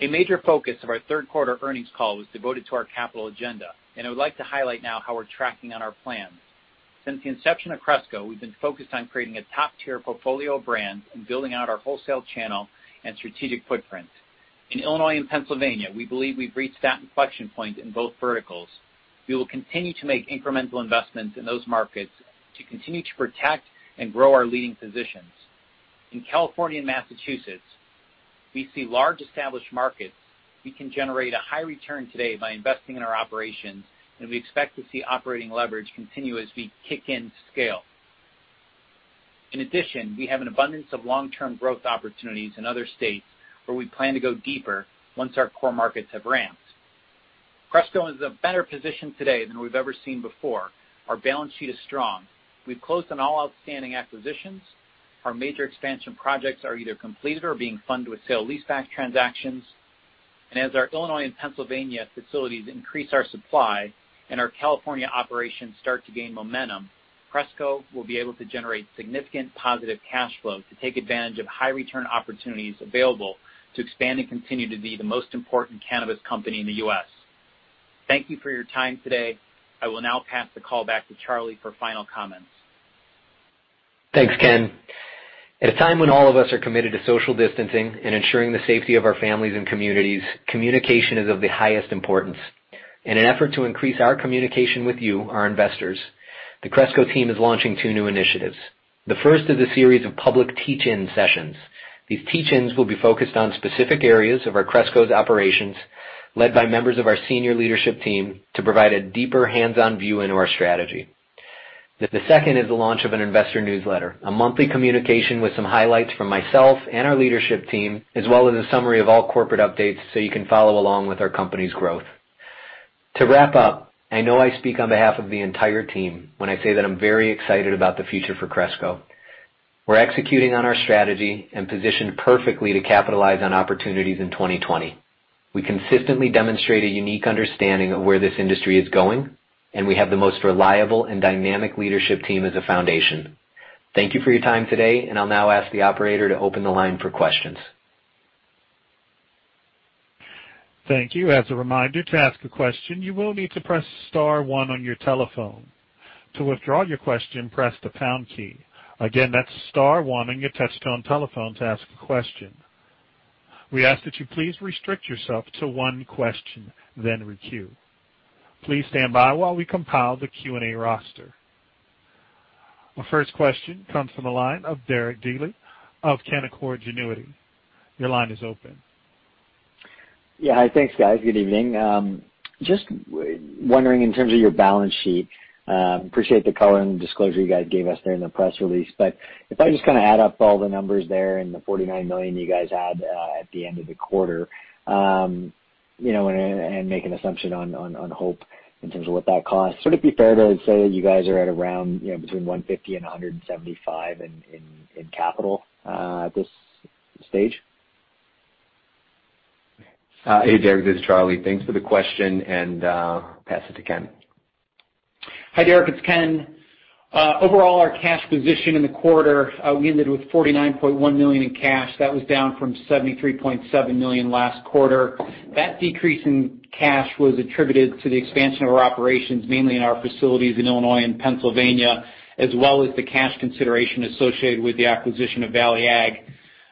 Speaker 5: A major focus of our third quarter earnings call was devoted to our capital agenda, and I would like to highlight now how we're tracking on our plans. Since the inception of Cresco, we've been focused on creating a top-tier portfolio of brands and building out our wholesale channel and strategic footprint. In Illinois and Pennsylvania, we believe we've reached that inflection point in both verticals. We will continue to make incremental investments in those markets to continue to protect and grow our leading positions. In California and Massachusetts, we see large established markets. We can generate a high return today by investing in our operations, and we expect to see operating leverage continue as we kick in scale. In addition, we have an abundance of long-term growth opportunities in other states where we plan to go deeper once our core markets have ramped. Cresco is in a better position today than we've ever seen before. Our balance sheet is strong. We've closed on all outstanding acquisitions. Our major expansion projects are either completed or being funded with sale-leaseback transactions and as our Illinois and Pennsylvania facilities increase our supply and our California operations start to gain momentum, Cresco will be able to generate significant positive cash flow to take advantage of high return opportunities available to expand and continue to be the most important cannabis company in the U.S. Thank you for your time today. I will now pass the call back to Charlie for final comments.
Speaker 3: Thanks, Ken. At a time when all of us are committed to social distancing and ensuring the safety of our families and communities, communication is of the highest importance. In an effort to increase our communication with you, our investors, the Cresco team is launching two new initiatives. The first is a series of public teach-in sessions. These teach-ins will be focused on specific areas of our Cresco's operations, led by members of our senior leadership team to provide a deeper hands-on view into our strategy. The second is the launch of an investor newsletter, a monthly communication with some highlights from myself and our leadership team, as well as a summary of all corporate updates, so you can follow along with our company's growth. To wrap up, I know I speak on behalf of the entire team when I say that I'm very excited about the future for Cresco. We're executing on our strategy and positioned perfectly to capitalize on opportunities in 2020. We consistently demonstrate a unique understanding of where this industry is going, and we have the most reliable and dynamic leadership team as a foundation. Thank you for your time today, and I'll now ask the operator to open the line for questions.
Speaker 1: Thank you. As a reminder, to ask a question, you will need to press star one on your telephone. To withdraw your question, press the pound key. Again, that's star one on your touch-tone telephone to ask a question. We ask that you please restrict yourself to one question, then requeue. Please stand by while we compile the Q&A roster. Our first question comes from the line of Derek Dley of Canaccord Genuity. Your line is open.
Speaker 6: Yeah. Hi, thanks, guys. Good evening. Just wondering in terms of your balance sheet, appreciate the color and disclosure you guys gave us during the press release. But if I just kind of add up all the numbers there and the $49 million you guys had at the end of the quarter, you know, and make an assumption on Hope in terms of what that costs, would it be fair to say that you guys are at around, you know, between $150 and $175 in capital at this stage?
Speaker 3: Hey, Derek, this is Charlie. Thanks for the question, and pass it to Ken.
Speaker 5: Hi, Derek, it's Ken. Overall, our cash position in the quarter, we ended with $49.1 million in cash. That was down from $73.7 million last quarter. That decrease in cash was attributed to the expansion of our operations, mainly in our facilities in Illinois and Pennsylvania, as well as the cash consideration associated with the acquisition of Valley Ag.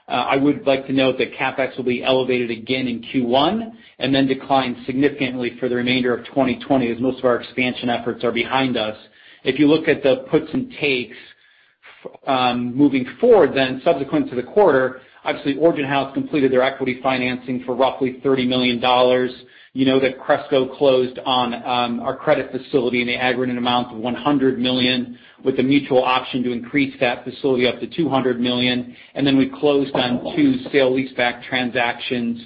Speaker 5: I would like to note that CapEx will be elevated again in Q1, and then decline significantly for the remainder of 2020, as most of our expansion efforts are behind us. If you look at the puts and takes, moving forward, then subsequent to the quarter, obviously, Origin House completed their equity financing for roughly $30 million. You know that Cresco closed on our credit facility in the aggregate amount of $100 million, with a mutual option to increase that facility up to $200 million, and then we closed on two sale-leaseback transactions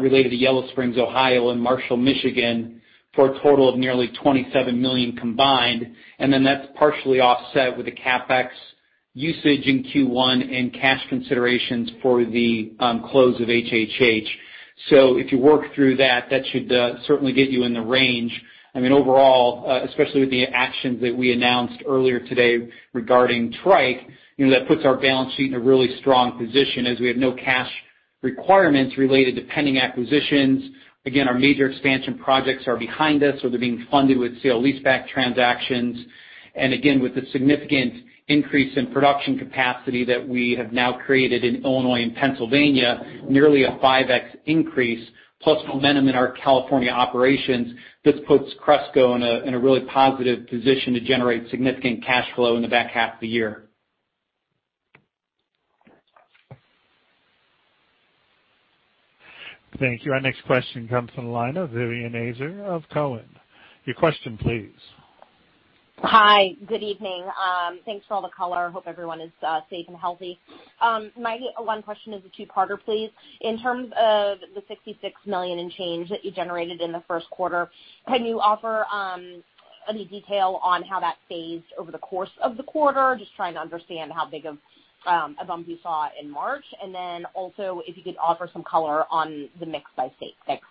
Speaker 5: related to Yellow Springs, Ohio, and Marshall, Michigan, for a total of nearly $27 million combined, and then that's partially offset with the CapEx usage in Q1 and cash considerations for the close of HHH. So if you work through that, that should certainly get you in the range. I mean, overall, especially with the actions that we announced earlier today regarding Tryke, you know, that puts our balance sheet in a really strong position as we have no cash requirements related to pending acquisitions. Again, our major expansion projects are behind us, or they're being funded with sale-leaseback transactions. Again, with the significant increase in production capacity that we have now created in Illinois and Pennsylvania, nearly a 5x increase, plus momentum in our California operations, this puts Cresco in a really positive position to generate significant cash flow in the back half of the year.
Speaker 1: Thank you. Our next question comes from the line of Vivian Azer of Cowen. Your question, please.
Speaker 7: Hi, good evening. Thanks for all the color. Hope everyone is safe and healthy. My one question is a two-parter, please. In terms of the $66 million in cash that you generated in the first quarter, can you offer any detail on how that phased over the course of the quarter? Just trying to understand how big of a bump you saw in March. And then also, if you could offer some color on the mix by state? Thanks.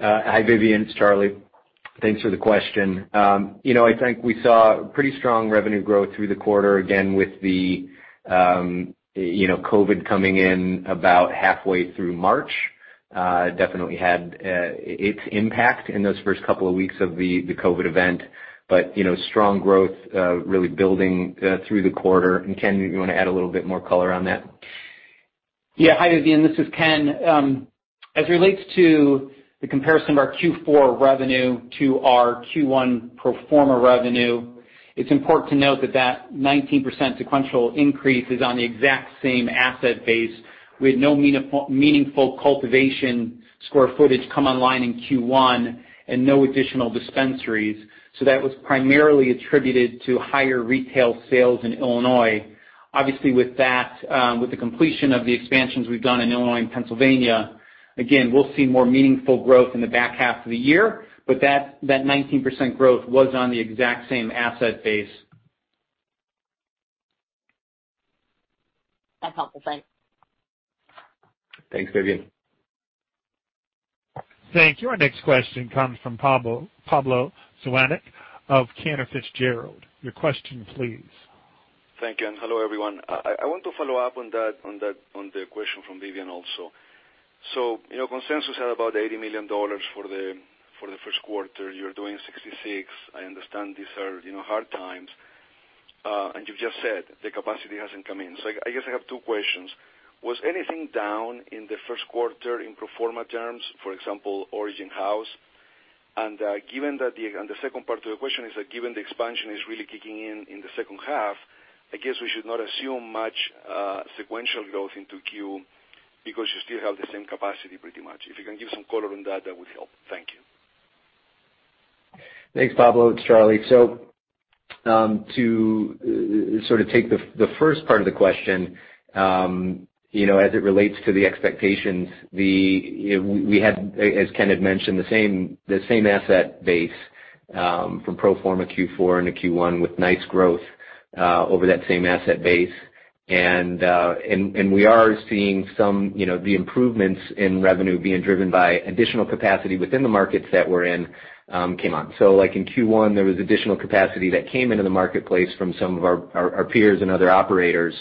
Speaker 3: Hi, Vivian, it's Charlie. Thanks for the question. You know, I think we saw pretty strong revenue growth through the quarter, again, with the, you know, COVID coming in about halfway through March, definitely had its impact in those first couple of weeks of the COVID event. But, you know, strong growth, really building, through the quarter. And Ken, you want to add a little bit more color on that?
Speaker 5: Yeah. Hi, Vivian, this is Ken. As it relates to the comparison of our Q4 revenue to our Q1 pro forma revenue, it's important to note that 19% sequential increase is on the exact same asset base, with no meaningful cultivation square footage come online in Q1 and no additional dispensaries. So that was primarily attributed to higher retail sales in Illinois. Obviously, with that, with the completion of the expansions we've done in Illinois and Pennsylvania, again, we'll see more meaningful growth in the back half of the year, but that 19% growth was on the exact same asset base.
Speaker 7: That's helpful. Thanks.
Speaker 3: Thanks, Vivian.
Speaker 1: Thank you. Our next question comes from Pablo Zuanic of Cantor Fitzgerald. Your question, please.
Speaker 8: Thank you, and hello, everyone. I want to follow up on that on the question from Vivian also. So, you know, consensus had about $80 million for the first quarter. You're doing $66 million. I understand these are, you know, hard times, and you've just said the capacity hasn't come in. So I guess I have two questions: Was anything down in the first quarter in pro forma terms, for example, Origin House? And the second part to the question is that given the expansion is really kicking in in the second half, I guess we should not assume much sequential growth into Q, because you still have the same capacity pretty much. If you can give some color on that, that would help. Thank you.
Speaker 3: Thanks, Pablo. It's Charlie. So, to sort of take the first part of the question, you know, as it relates to the expectations, we had, as Ken had mentioned, the same asset base from pro forma Q4 into Q1, with nice growth over that same asset base. And we are seeing some, you know, the improvements in revenue being driven by additional capacity within the markets that we're in came on. So like in Q1, there was additional capacity that came into the marketplace from some of our peers and other operators,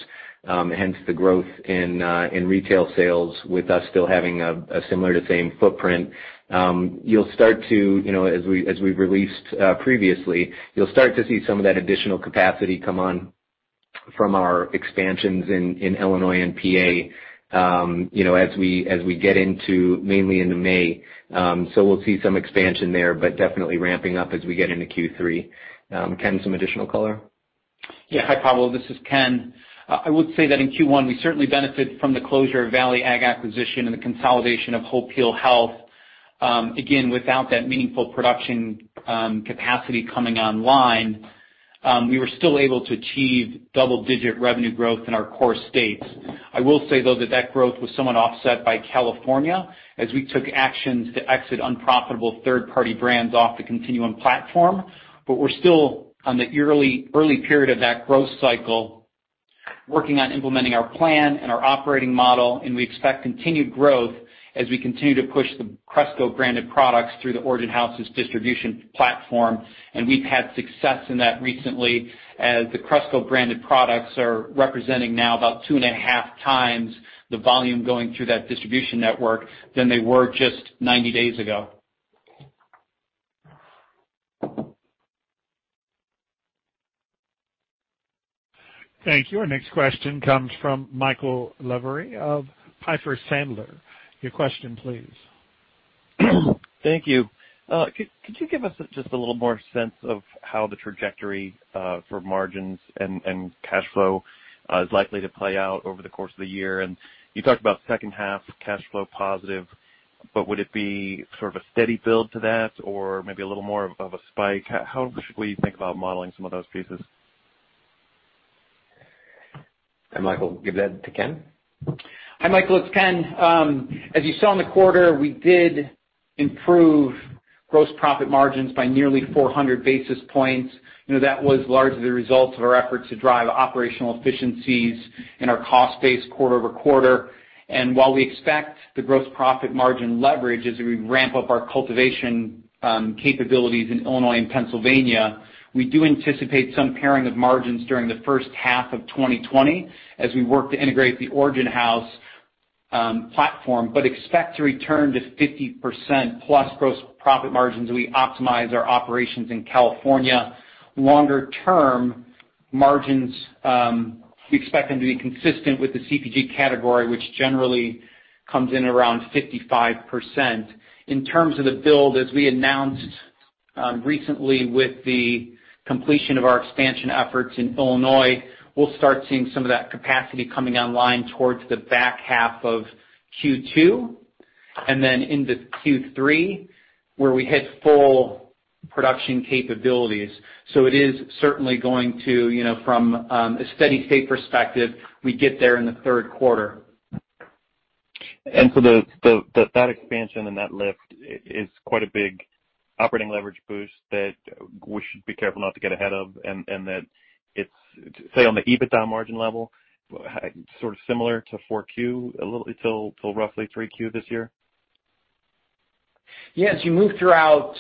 Speaker 3: hence the growth in retail sales with us still having a similar to same footprint. You'll start to, you know, as we've released previously, you'll start to see some of that additional capacity come on from our expansions in Illinois and PA, you know, as we get into mainly into May. So we'll see some expansion there, but definitely ramping up as we get into Q3. Ken, some additional color?
Speaker 5: Yeah. Hi, Pablo. This is Ken. I would say that in Q1, we certainly benefit from the closure of Valley Ag acquisition and the consolidation of Hope Heal Health. Again, without that meaningful production capacity coming online, we were still able to achieve double-digit revenue growth in our core states. I will say, though, that that growth was somewhat offset by California, as we took actions to exit unprofitable third-party brands off the Continuum platform. But we're still in the early period of that growth cycle, working on implementing our plan and our operating model, and we expect continued growth as we continue to push the Cresco-branded products through the Origin House's distribution platform. We've had success in that recently, as the Cresco-branded products are representing now about two and a half times the volume going through that distribution network than they were just 90 days ago.
Speaker 1: Thank you. Our next question comes from Michael Lavery of Piper Sandler. Your question, please.
Speaker 9: Thank you. Could you give us just a little more sense of how the trajectory for margins and cash flow is likely to play out over the course of the year? And you talked about second half cash flow positive, but would it be sort of a steady build to that, or maybe a little more of a spike? How should we think about modeling some of those pieces?
Speaker 3: Hi, Michael. Give that to Ken.
Speaker 5: Hi, Michael, it's Ken. As you saw in the quarter, we did improve gross profit margins by nearly 400 basis points. You know, that was largely the result of our efforts to drive operational efficiencies in our cost base quarter over quarter. And while we expect the gross profit margin leverage as we ramp up our cultivation capabilities in Illinois and Pennsylvania, we do anticipate some paring of margins during the first half of 2020 as we work to integrate the Origin House platform but expect to return to 50%+ gross profit margins as we optimize our operations in California. Longer term margins, we expect them to be consistent with the CPG category, which generally comes in around 55%. In terms of the build, as we announced recently with the completion of our expansion efforts in Illinois, we'll start seeing some of that capacity coming online towards the back half of Q2, and then into Q3, where we hit full production capabilities. So it is certainly going to, you know, from a steady state perspective, we get there in the third quarter.
Speaker 9: And so the expansion and that lift is quite a big operating leverage boost that we should be careful not to get ahead of, and that it's, say, on the EBITDA margin level, sort of similar to Q4, a little until roughly Q3 this year?
Speaker 3: Yeah, as you move throughout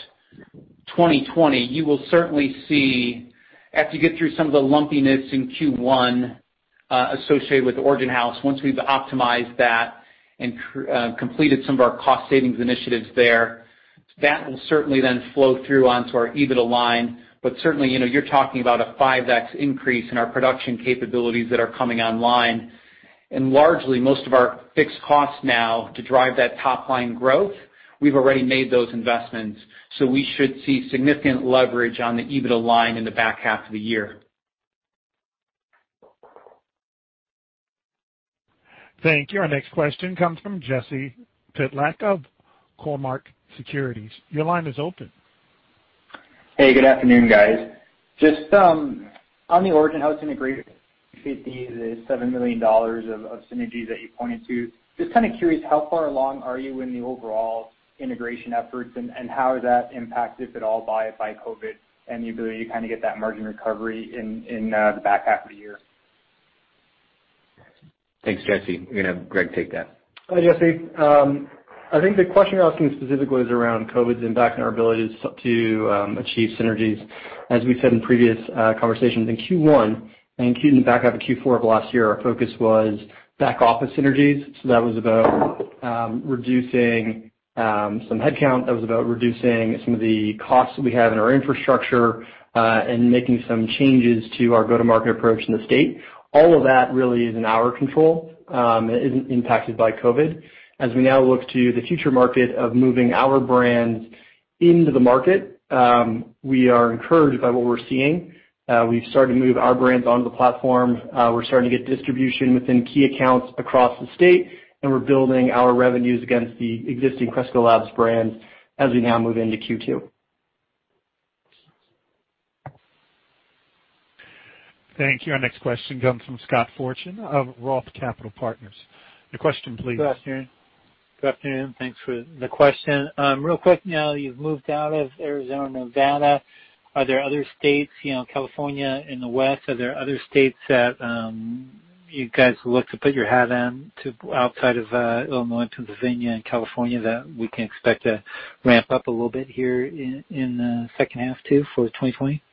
Speaker 3: 2020, you will certainly see, as you get through some of the lumpiness in Q1, associated with Origin House, once we've optimized that and completed some of our cost savings initiatives there, that will certainly then flow through onto our EBITDA line. But certainly, you know, you're talking about a 5x increase in our production capabilities that are coming online. And largely, most of our fixed costs now to drive that top line growth, we've already made those investments. So we should see significant leverage on the EBITDA line in the back half of the year.
Speaker 1: Thank you. Our next question comes from Jesse Pytlak of Cormark Securities. Your line is open.
Speaker 10: Hey, good afternoon, guys. Just on the Origin House integration, the $7 million of synergies that you pointed to, just kind of curious, how far along are you in the overall integration efforts, and how is that impacted, if at all, by COVID and the ability to kind of get that margin recovery in the back half of the year?
Speaker 3: Thanks, Jesse. I'm gonna have Greg take that.
Speaker 4: Hi, Jesse. I think the question you're asking specifically is around COVID's impact on our ability to achieve synergies. As we've said in previous conversations, in Q1 and in the back half of Q4 of last year, our focus was back office synergies. So that was about reducing some headcount, that was about reducing some of the costs that we had in our infrastructure, and making some changes to our go-to-market approach in the state. All of that really is in our control, it isn't impacted by COVID. As we now look to the future market of moving our brands into the market, we are encouraged by what we're seeing. We've started to move our brands onto the platform. We're starting to get distribution within key accounts across the state, and we're building our revenues against the existing Cresco Labs brands as we now move into Q2.
Speaker 1: Thank you. Our next question comes from Scott Fortune of ROTH Capital Partners. Your question, please.
Speaker 11: Good afternoon. Good afternoon, thanks for the question. Real quick, now that you've moved out of Arizona, Nevada, are there other states, you know, California in the West, are there other states that you guys look to put your hat in to outside of Illinois, Pennsylvania, and California, that we can expect to ramp up a little bit here in the second half, too, for 2020?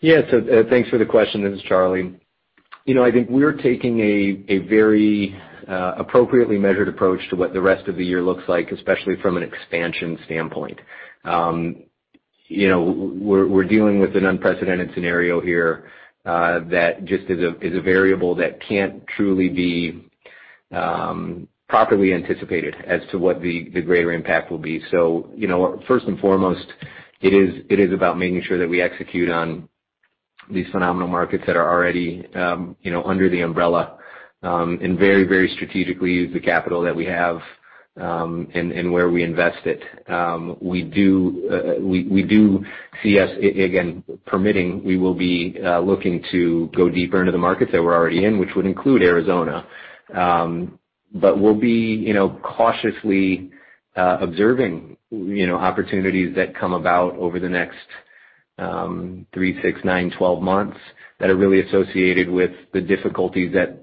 Speaker 3: Yes, so, thanks for the question. This is Charlie. You know, I think we're taking a very appropriately measured approach to what the rest of the year looks like, especially from an expansion standpoint. You know, we're dealing with an unprecedented scenario here that just is a variable that can't truly be properly anticipated as to what the greater impact will be. So, you know, first and foremost, it is about making sure that we execute on these phenomenal markets that are already, you know, under the umbrella, and very, very strategically use the capital that we have, and where we invest it. We do see us again permitting. We will be looking to go deeper into the markets that we're already in, which would include Arizona. But we'll be, you know, cautiously observing, you know, opportunities that come about over the next three, six, nine, twelve months that are really associated with the difficulties that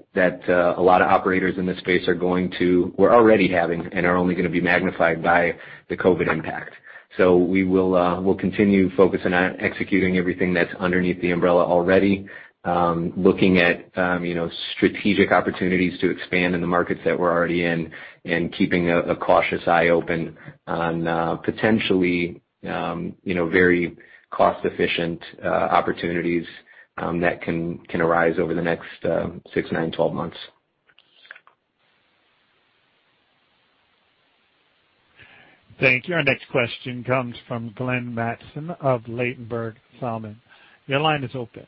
Speaker 3: a lot of operators in this space are going to were already having and are only gonna be magnified by the COVID impact. So we'll continue focusing on executing everything that's underneath the umbrella already, looking at, you know, strategic opportunities to expand in the markets that we're already in and keeping a cautious eye open on, potentially, you know, very cost-efficient opportunities that can arise over the next six, nine, twelve months.
Speaker 1: Thank you. Our next question comes from Glenn Mattson of Ladenburg Thalmann. Your line is open.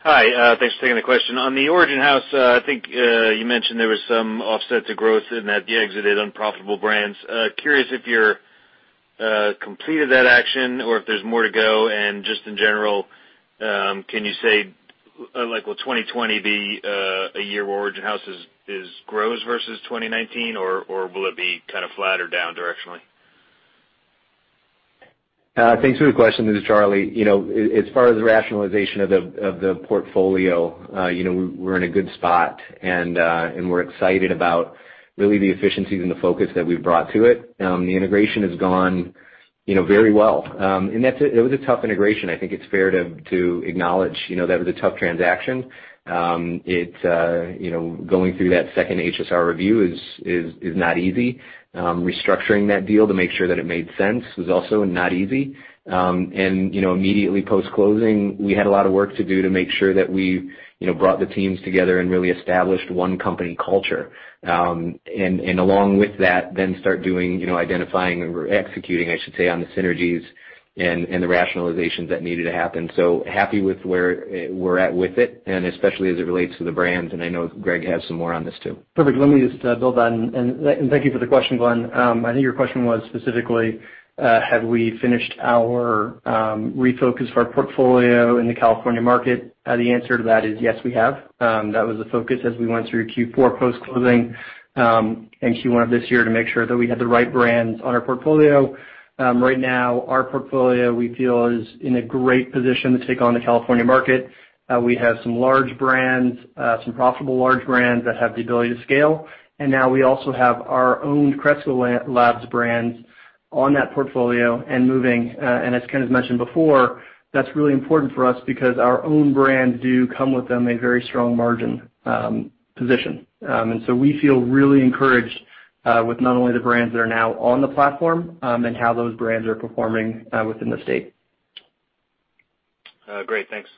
Speaker 12: Hi, thanks for taking the question. On the Origin House, I think you mentioned there was some offsets of growth and that you exited unprofitable brands. Curious if you're completed that action, or if there's more to go? And just in general, can you say, like, will 2020 be a year where Origin House grows versus 2019, or will it be kind of flat or down directionally?
Speaker 3: Thanks for the question. This is Charlie. You know, as far as the rationalization of the portfolio, you know, we're in a good spot, and we're excited about really the efficiencies and the focus that we've brought to it. The integration has gone, you know, very well. And that's. It was a tough integration. I think it's fair to acknowledge, you know, that was a tough transaction. It, you know, going through that second HSR review is not easy. Restructuring that deal to make sure that it made sense was also not easy. And, you know, immediately post-closing, we had a lot of work to do to make sure that we, you know, brought the teams together and really established one company culture. And along with that, then start doing, you know, identifying, or executing, I should say, on the synergies and the rationalizations that needed to happen. So happy with where we're at with it, and especially as it relates to the brands, and I know Greg has some more on this, too.
Speaker 4: Perfect. Let me just build on and thank you for the question, Glenn. I think your question was specifically have we finished our refocus of our portfolio in the California market? The answer to that is yes, we have. That was a focus as we went through Q4 post-closing and Q1 of this year, to make sure that we had the right brands on our portfolio. Right now, our portfolio, we feel, is in a great position to take on the California market. We have some large brands, some profitable large brands that have the ability to scale, and now we also have our own Cresco Labs brands on that portfolio and moving. And as Ken mentioned before, that's really important for us because our own brands do come with them a very strong margin position. And so we feel really encouraged with not only the brands that are now on the platform and how those brands are performing within the state.
Speaker 12: Great, thanks!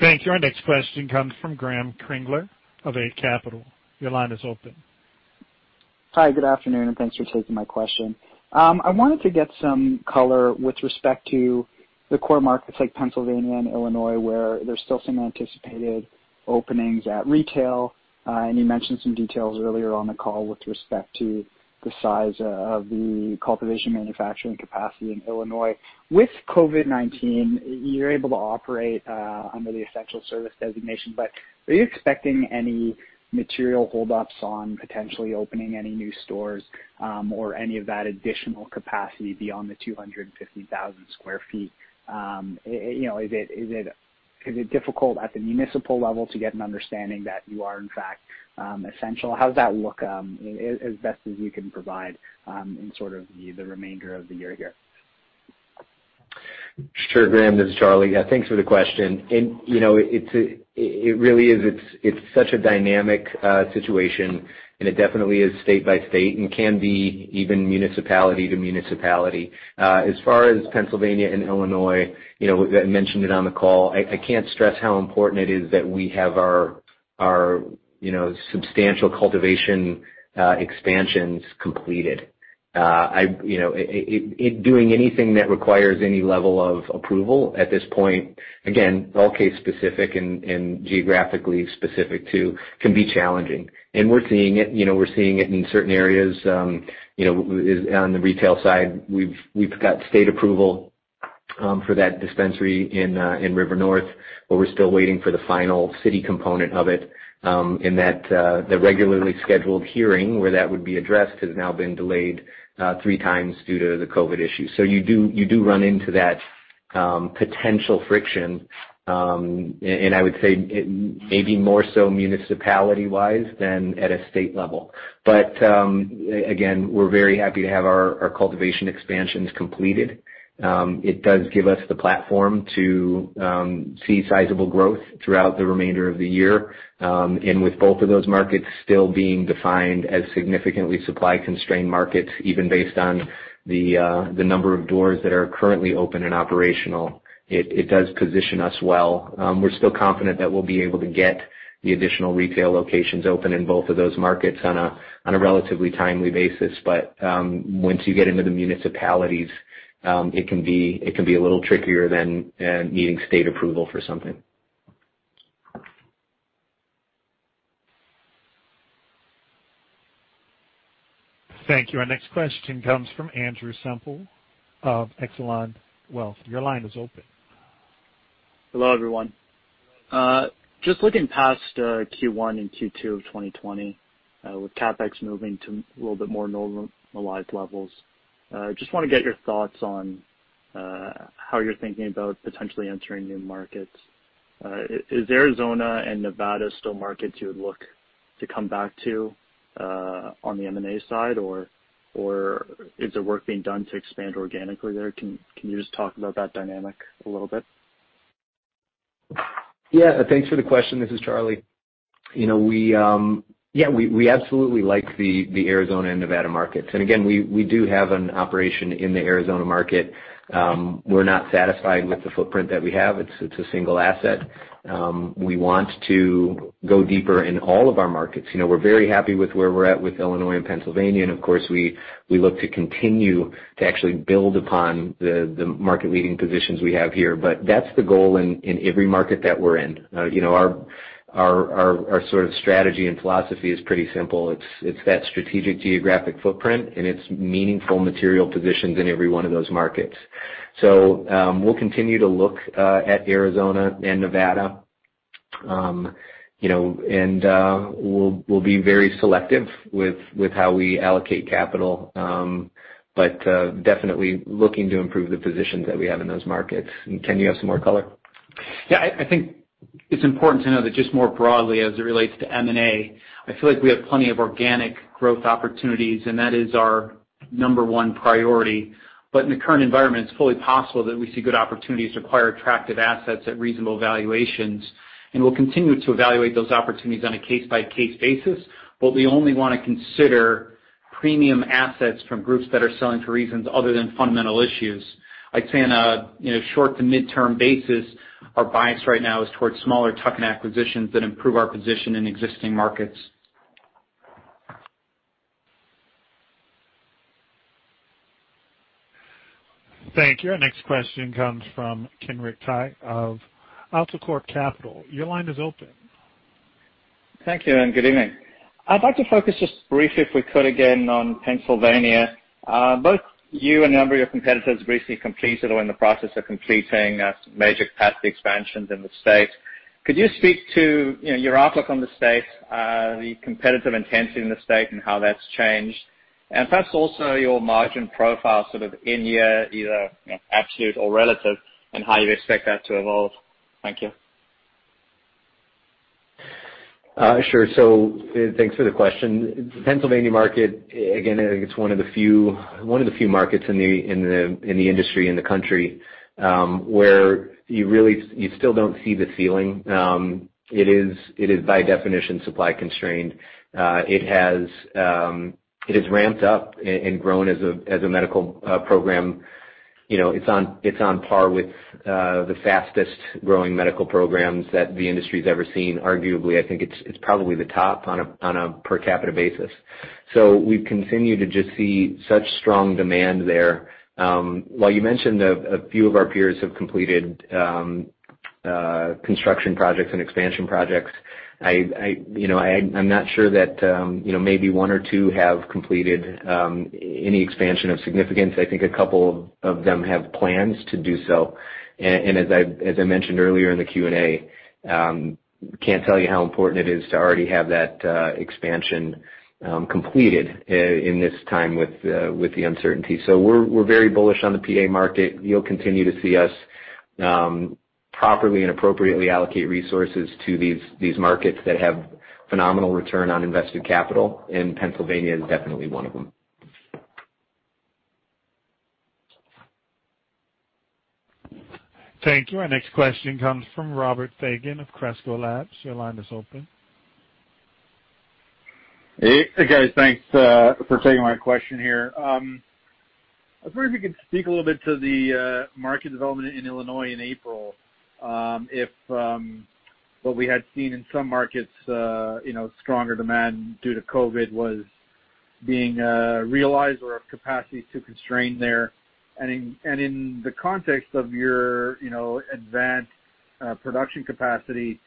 Speaker 1: Thank you. Our next question comes from Graeme Kreindler of Eight Capital. Your line is open.
Speaker 13: Hi, good afternoon, and thanks for taking my question. I wanted to get some color with respect to the core markets like Pennsylvania and Illinois, where there's still some anticipated openings at retail. And you mentioned some details earlier on the call with respect to the size of the cultivation manufacturing capacity in Illinois. With COVID-19, you're able to operate under the essential service designation, but are you expecting any material hold ups on potentially opening any new stores or any of that additional capacity beyond the 250,000 sq ft? You know, is it difficult at the municipal level to get an understanding that you are, in fact, essential? How does that look as best as you can provide in sort of the remainder of the year here?
Speaker 3: Sure, Graeme, this is Charlie. Yeah, thanks for the question, and you know, it really is such a dynamic situation, and it definitely is state by state and can be even municipality to municipality. As far as Pennsylvania and Illinois, you know, I mentioned it on the call. I can't stress how important it is that we have our substantial cultivation expansions completed. You know, doing anything that requires any level of approval at this point, again, all case specific and geographically specific too, can be challenging, and we're seeing it, you know, we're seeing it in certain areas, you know, on the retail side. We've got state approval for that dispensary in River North, but we're still waiting for the final city component of it. And that the regularly scheduled hearing, where that would be addressed, has now been delayed three times due to the COVID issue. So you do run into that potential friction, and I would say it maybe more so municipality-wise than at a state level. But again, we're very happy to have our cultivation expansions completed. It does give us the platform to see sizable growth throughout the remainder of the year. And with both of those markets still being defined as significantly supply-constrained markets, even based on the number of doors that are currently open and operational, it does position us well. We're still confident that we'll be able to get the additional retail locations open in both of those markets on a relatively timely basis. But, once you get into the municipalities, it can be a little trickier than needing state approval for something.
Speaker 1: Thank you. Our next question comes from Andrew Semple of Echelon Wealth. Your line is open.
Speaker 14: Hello, everyone. Just looking past Q1 and Q2 of 2020, with CapEx moving to a little bit more normalized levels, just want to get your thoughts on how you're thinking about potentially entering new markets. Is Arizona and Nevada still markets you would look to come back to on the M&A side, or is there work being done to expand organically there? Can you just talk about that dynamic a little bit?
Speaker 3: Yeah, thanks for the question. This is Charlie. You know, yeah, we absolutely like the Arizona and Nevada markets. And again, we do have an operation in the Arizona market. We're not satisfied with the footprint that we have. It's a single asset. We want to go deeper in all of our markets. You know, we're very happy with where we're at with Illinois and Pennsylvania, and of course, we look to continue to actually build upon the market-leading positions we have here. But that's the goal in every market that we're in. You know, our sort of strategy and philosophy is pretty simple. It's that strategic geographic footprint, and it's meaningful material positions in every one of those markets. So, we'll continue to look at Arizona and Nevada. You know, and we'll be very selective with how we allocate capital, but definitely looking to improve the positions that we have in those markets. And Ken, you have some more color?
Speaker 5: Yeah, I, I think it's important to know that just more broadly, as it relates to M&A, I feel like we have plenty of organic growth opportunities, and that is our number one priority. But in the current environment, it's fully possible that we see good opportunities to acquire attractive assets at reasonable valuations, and we'll continue to evaluate those opportunities on a case-by-case basis. But we only want to consider premium assets from groups that are selling for reasons other than fundamental issues. I'd say on a, you know, short to midterm basis, our bias right now is towards smaller tuck-in acquisitions that improve our position in existing markets.
Speaker 1: Thank you. Our next question comes from Kenric Tyghe of AltaCorp Capital. Your line is open.
Speaker 15: Thank you, and good evening. I'd like to focus just briefly, if we could, again, on Pennsylvania. Both you and a number of your competitors recently completed or are in the process of completing, major capacity expansions in the state. Could you speak to, you know, your outlook on the state, the competitive intensity in the state and how that's changed? And perhaps also your margin profile, sort of in year, either, you know, absolute or relative, and how you expect that to evolve. Thank you.
Speaker 3: Sure. So thanks for the question. The Pennsylvania market, again, I think it's one of the few markets in the industry, in the country, where you really still don't see the ceiling. It is by definition supply constrained. It has ramped up and grown as a medical program. You know, it's on par with the fastest growing medical programs that the industry has ever seen. Arguably, I think it's probably the top on a per capita basis. So we've continued to just see such strong demand there. While you mentioned a few of our peers have completed construction projects and expansion projects, you know, I'm not sure that, you know, maybe one or two have completed any expansion of significance. I think a couple of them have plans to do so. As I mentioned earlier in the Q&A, can't tell you how important it is to already have that expansion completed in this time with the uncertainty. So we're very bullish on the PA market. You'll continue to see us properly and appropriately allocate resources to these markets that have phenomenal return on invested capital, and Pennsylvania is definitely one of them.
Speaker 1: Thank you. Our next question comes from Robert Fagan of Cresco Labs. Your line is open.
Speaker 16: Hey, guys, thanks for taking my question here. I was wondering if you could speak a little bit to the market development in Illinois in April, if what we had seen in some markets, you know, stronger demand due to COVID was being realized or if capacity is too constrained there. And in the context of your, you know, advanced production capacity,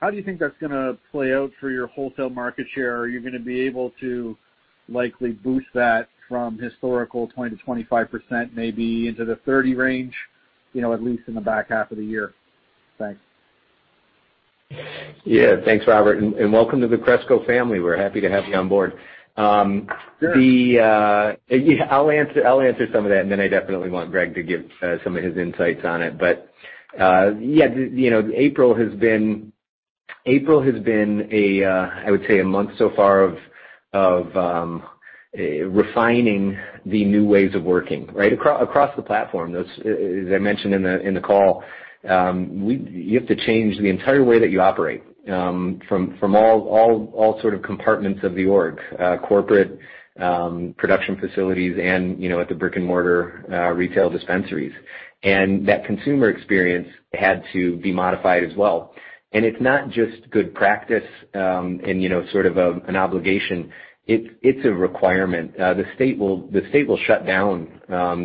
Speaker 16: how do you think that's gonna play out for your wholesale market share? Are you gonna be able to likely boost that from historical 20-25%, maybe into the 30% range, you know, at least in the back half of the year? Thanks.
Speaker 3: Yeah. Thanks, Robert, and welcome to the Cresco family. We're happy to have you on board.
Speaker 16: Sure.
Speaker 3: Yeah, I'll answer some of that, and then I definitely want Greg to give some of his insights on it. But yeah, you know, April has been... April has been a, I would say, a month so far of refining the new ways of working, right? Across the platform, as I mentioned in the call, you have to change the entire way that you operate from all sort of compartments of the org, corporate, production facilities and, you know, at the brick-and-mortar retail dispensaries. And that consumer experience had to be modified as well. And it's not just good practice and, you know, sort of an obligation. It's a requirement. The state will shut down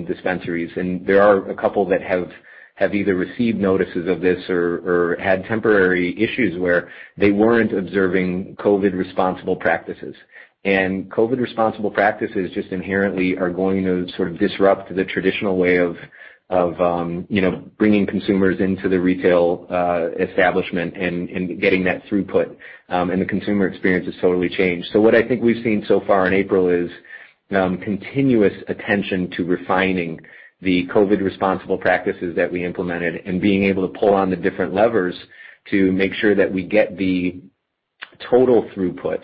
Speaker 3: dispensaries, and there are a couple that have either received notices of this or had temporary issues where they weren't observing COVID-responsible practices. And COVID-responsible practices just inherently are going to sort of disrupt the traditional way of, you know, bringing consumers into the retail establishment and getting that throughput, and the consumer experience has totally changed. So what I think we've seen so far in April is continuous attention to refining the COVID-responsible practices that we implemented and being able to pull on the different levers to make sure that we get the total throughput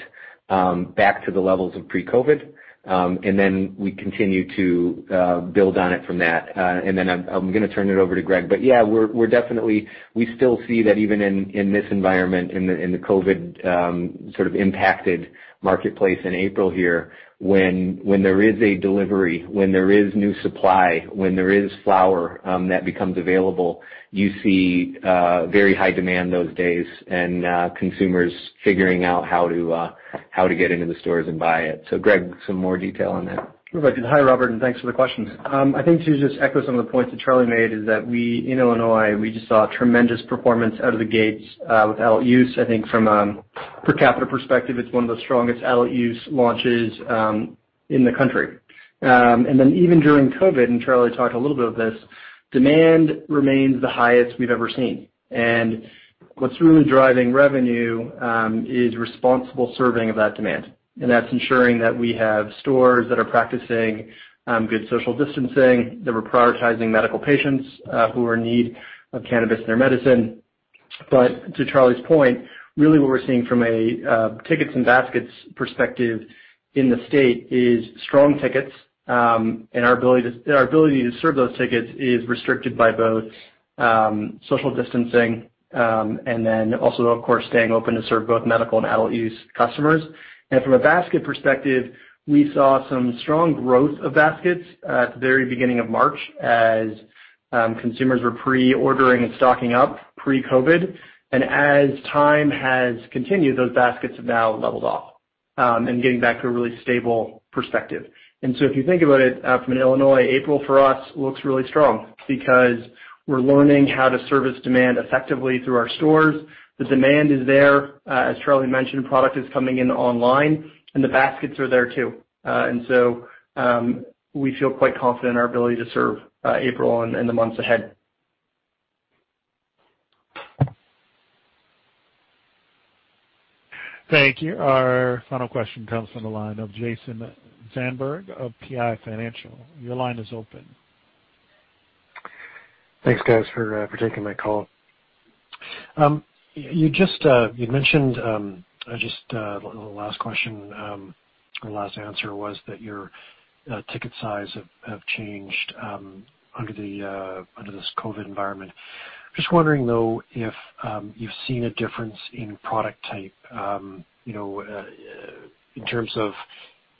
Speaker 3: back to the levels of pre-COVID, and then we continue to build on it from that. And then I'm gonna turn it over to Greg. But yeah, we're definitely, we still see that even in this environment, in the COVID sort of impacted marketplace in April here, when there is a delivery, when there is new supply, when there is flower that becomes available, you see very high demand those days and consumers figuring out how to get into the stores and buy it. So, Greg, some more detail on that.
Speaker 4: Hi, Robert, and thanks for the question. I think to just echo some of the points that Charlie made is that we, in Illinois, we just saw a tremendous performance out of the gates, with adult use. I think from a per capita perspective, it's one of the strongest adult use launches, in the country, and then even during COVID, and Charlie talked a little bit of this, demand remains the highest we've ever seen, and what's really driving revenue, is responsible serving of that demand, and that's ensuring that we have stores that are practicing good social distancing, that we're prioritizing medical patients, who are in need of cannabis in their medicine. But to Charlie's point, really what we're seeing from a tickets and baskets perspective in the state is strong tickets, and our ability to serve those tickets is restricted by both social distancing and then also, of course, staying open to serve both medical and adult use customers. And from a basket perspective, we saw some strong growth of baskets at the very beginning of March as consumers were pre-ordering and stocking up pre-COVID. And as time has continued, those baskets have now leveled off and getting back to a really stable perspective. And so if you think about it from an Illinois, April for us looks really strong because we're learning how to service demand effectively through our stores. The demand is there. As Charlie mentioned, product is coming in online, and the baskets are there, too. And so, we feel quite confident in our ability to serve April and the months ahead.
Speaker 1: Thank you. Our final question comes from the line of Jason Zandberg of PI Financial. Your line is open.
Speaker 17: Thanks, guys, for taking my call. You just mentioned just the last question or last answer was that your ticket size have changed under this COVID environment. Just wondering, though, if you've seen a difference in product type, you know, in terms of,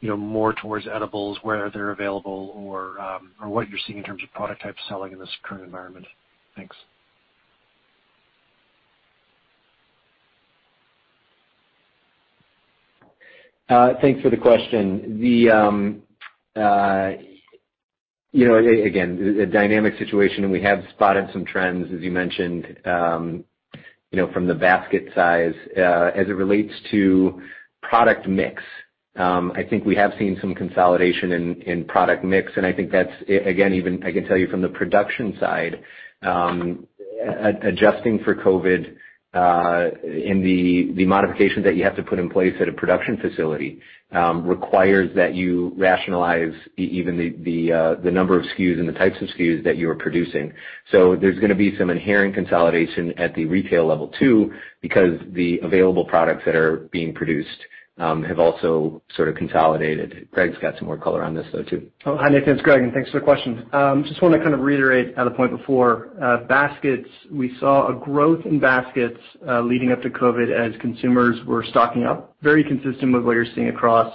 Speaker 17: you know, more towards edibles, where they're available or, or what you're seeing in terms of product type selling in this current environment? Thanks.
Speaker 3: Thanks for the question. You know, again, a dynamic situation, and we have spotted some trends, as you mentioned, you know, from the basket size. As it relates to product mix, I think we have seen some consolidation in product mix, and I think that's, again, even I can tell you from the production side, adjusting for COVID, in the modifications that you have to put in place at a production facility, requires that you rationalize even the number of SKUs and the types of SKUs that you are producing. So there's gonna be some inherent consolidation at the retail level, too, because the available products that are being produced have also sort of consolidated. Greg's got some more color on this, though, too.
Speaker 4: Oh, hi, Nathan, it's Greg, and thanks for the question. Just wanna kind of reiterate on the point before. Baskets, we saw a growth in baskets leading up to COVID as consumers were stocking up, very consistent with what you're seeing across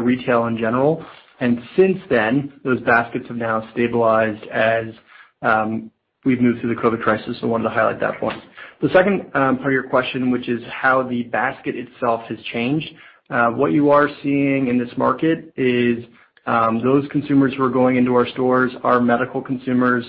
Speaker 4: retail in general. And since then, those baskets have now stabilized as we've moved through the COVID crisis, so wanted to highlight that point. The second part of your question, which is how the basket itself has changed, what you are seeing in this market is those consumers who are going into our stores are medical consumers.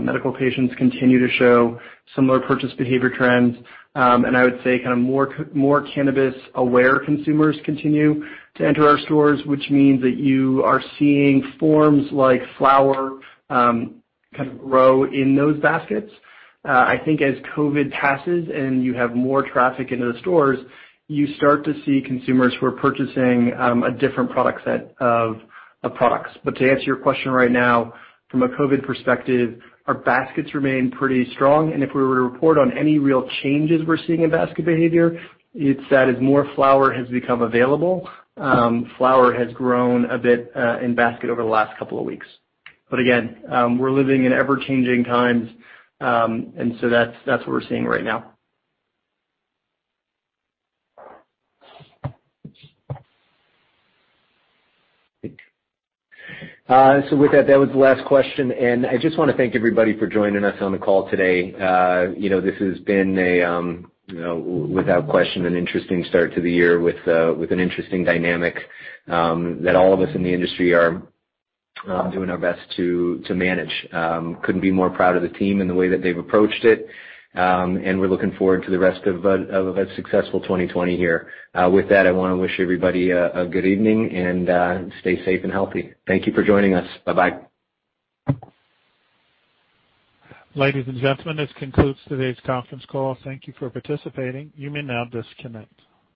Speaker 4: Medical patients continue to show similar purchase behavior trends, and I would say kind of more cannabis-aware consumers continue to enter our stores, which means that you are seeing forms like flower kind of grow in those baskets. I think as COVID passes, and you have more traffic into the stores, you start to see consumers who are purchasing a different product set of products. But to answer your question right now, from a COVID perspective, our baskets remain pretty strong, and if we were to report on any real changes we're seeing in basket behavior, it's that as more flower has become available, flower has grown a bit in basket over the last couple of weeks. But again, we're living in ever-changing times, and so that's what we're seeing right now.
Speaker 3: So with that, that was the last question, and I just wanna thank everybody for joining us on the call today. You know, this has been, you know, without question, an interesting start to the year with an interesting dynamic that all of us in the industry are doing our best to manage. Couldn't be more proud of the team and the way that they've approached it, and we're looking forward to the rest of a successful 2020 year. With that, I wanna wish everybody a good evening, and stay safe and healthy. Thank you for joining us. Bye-bye.
Speaker 1: Ladies and gentlemen, this concludes today's conference call. Thank you for participating. You may now disconnect.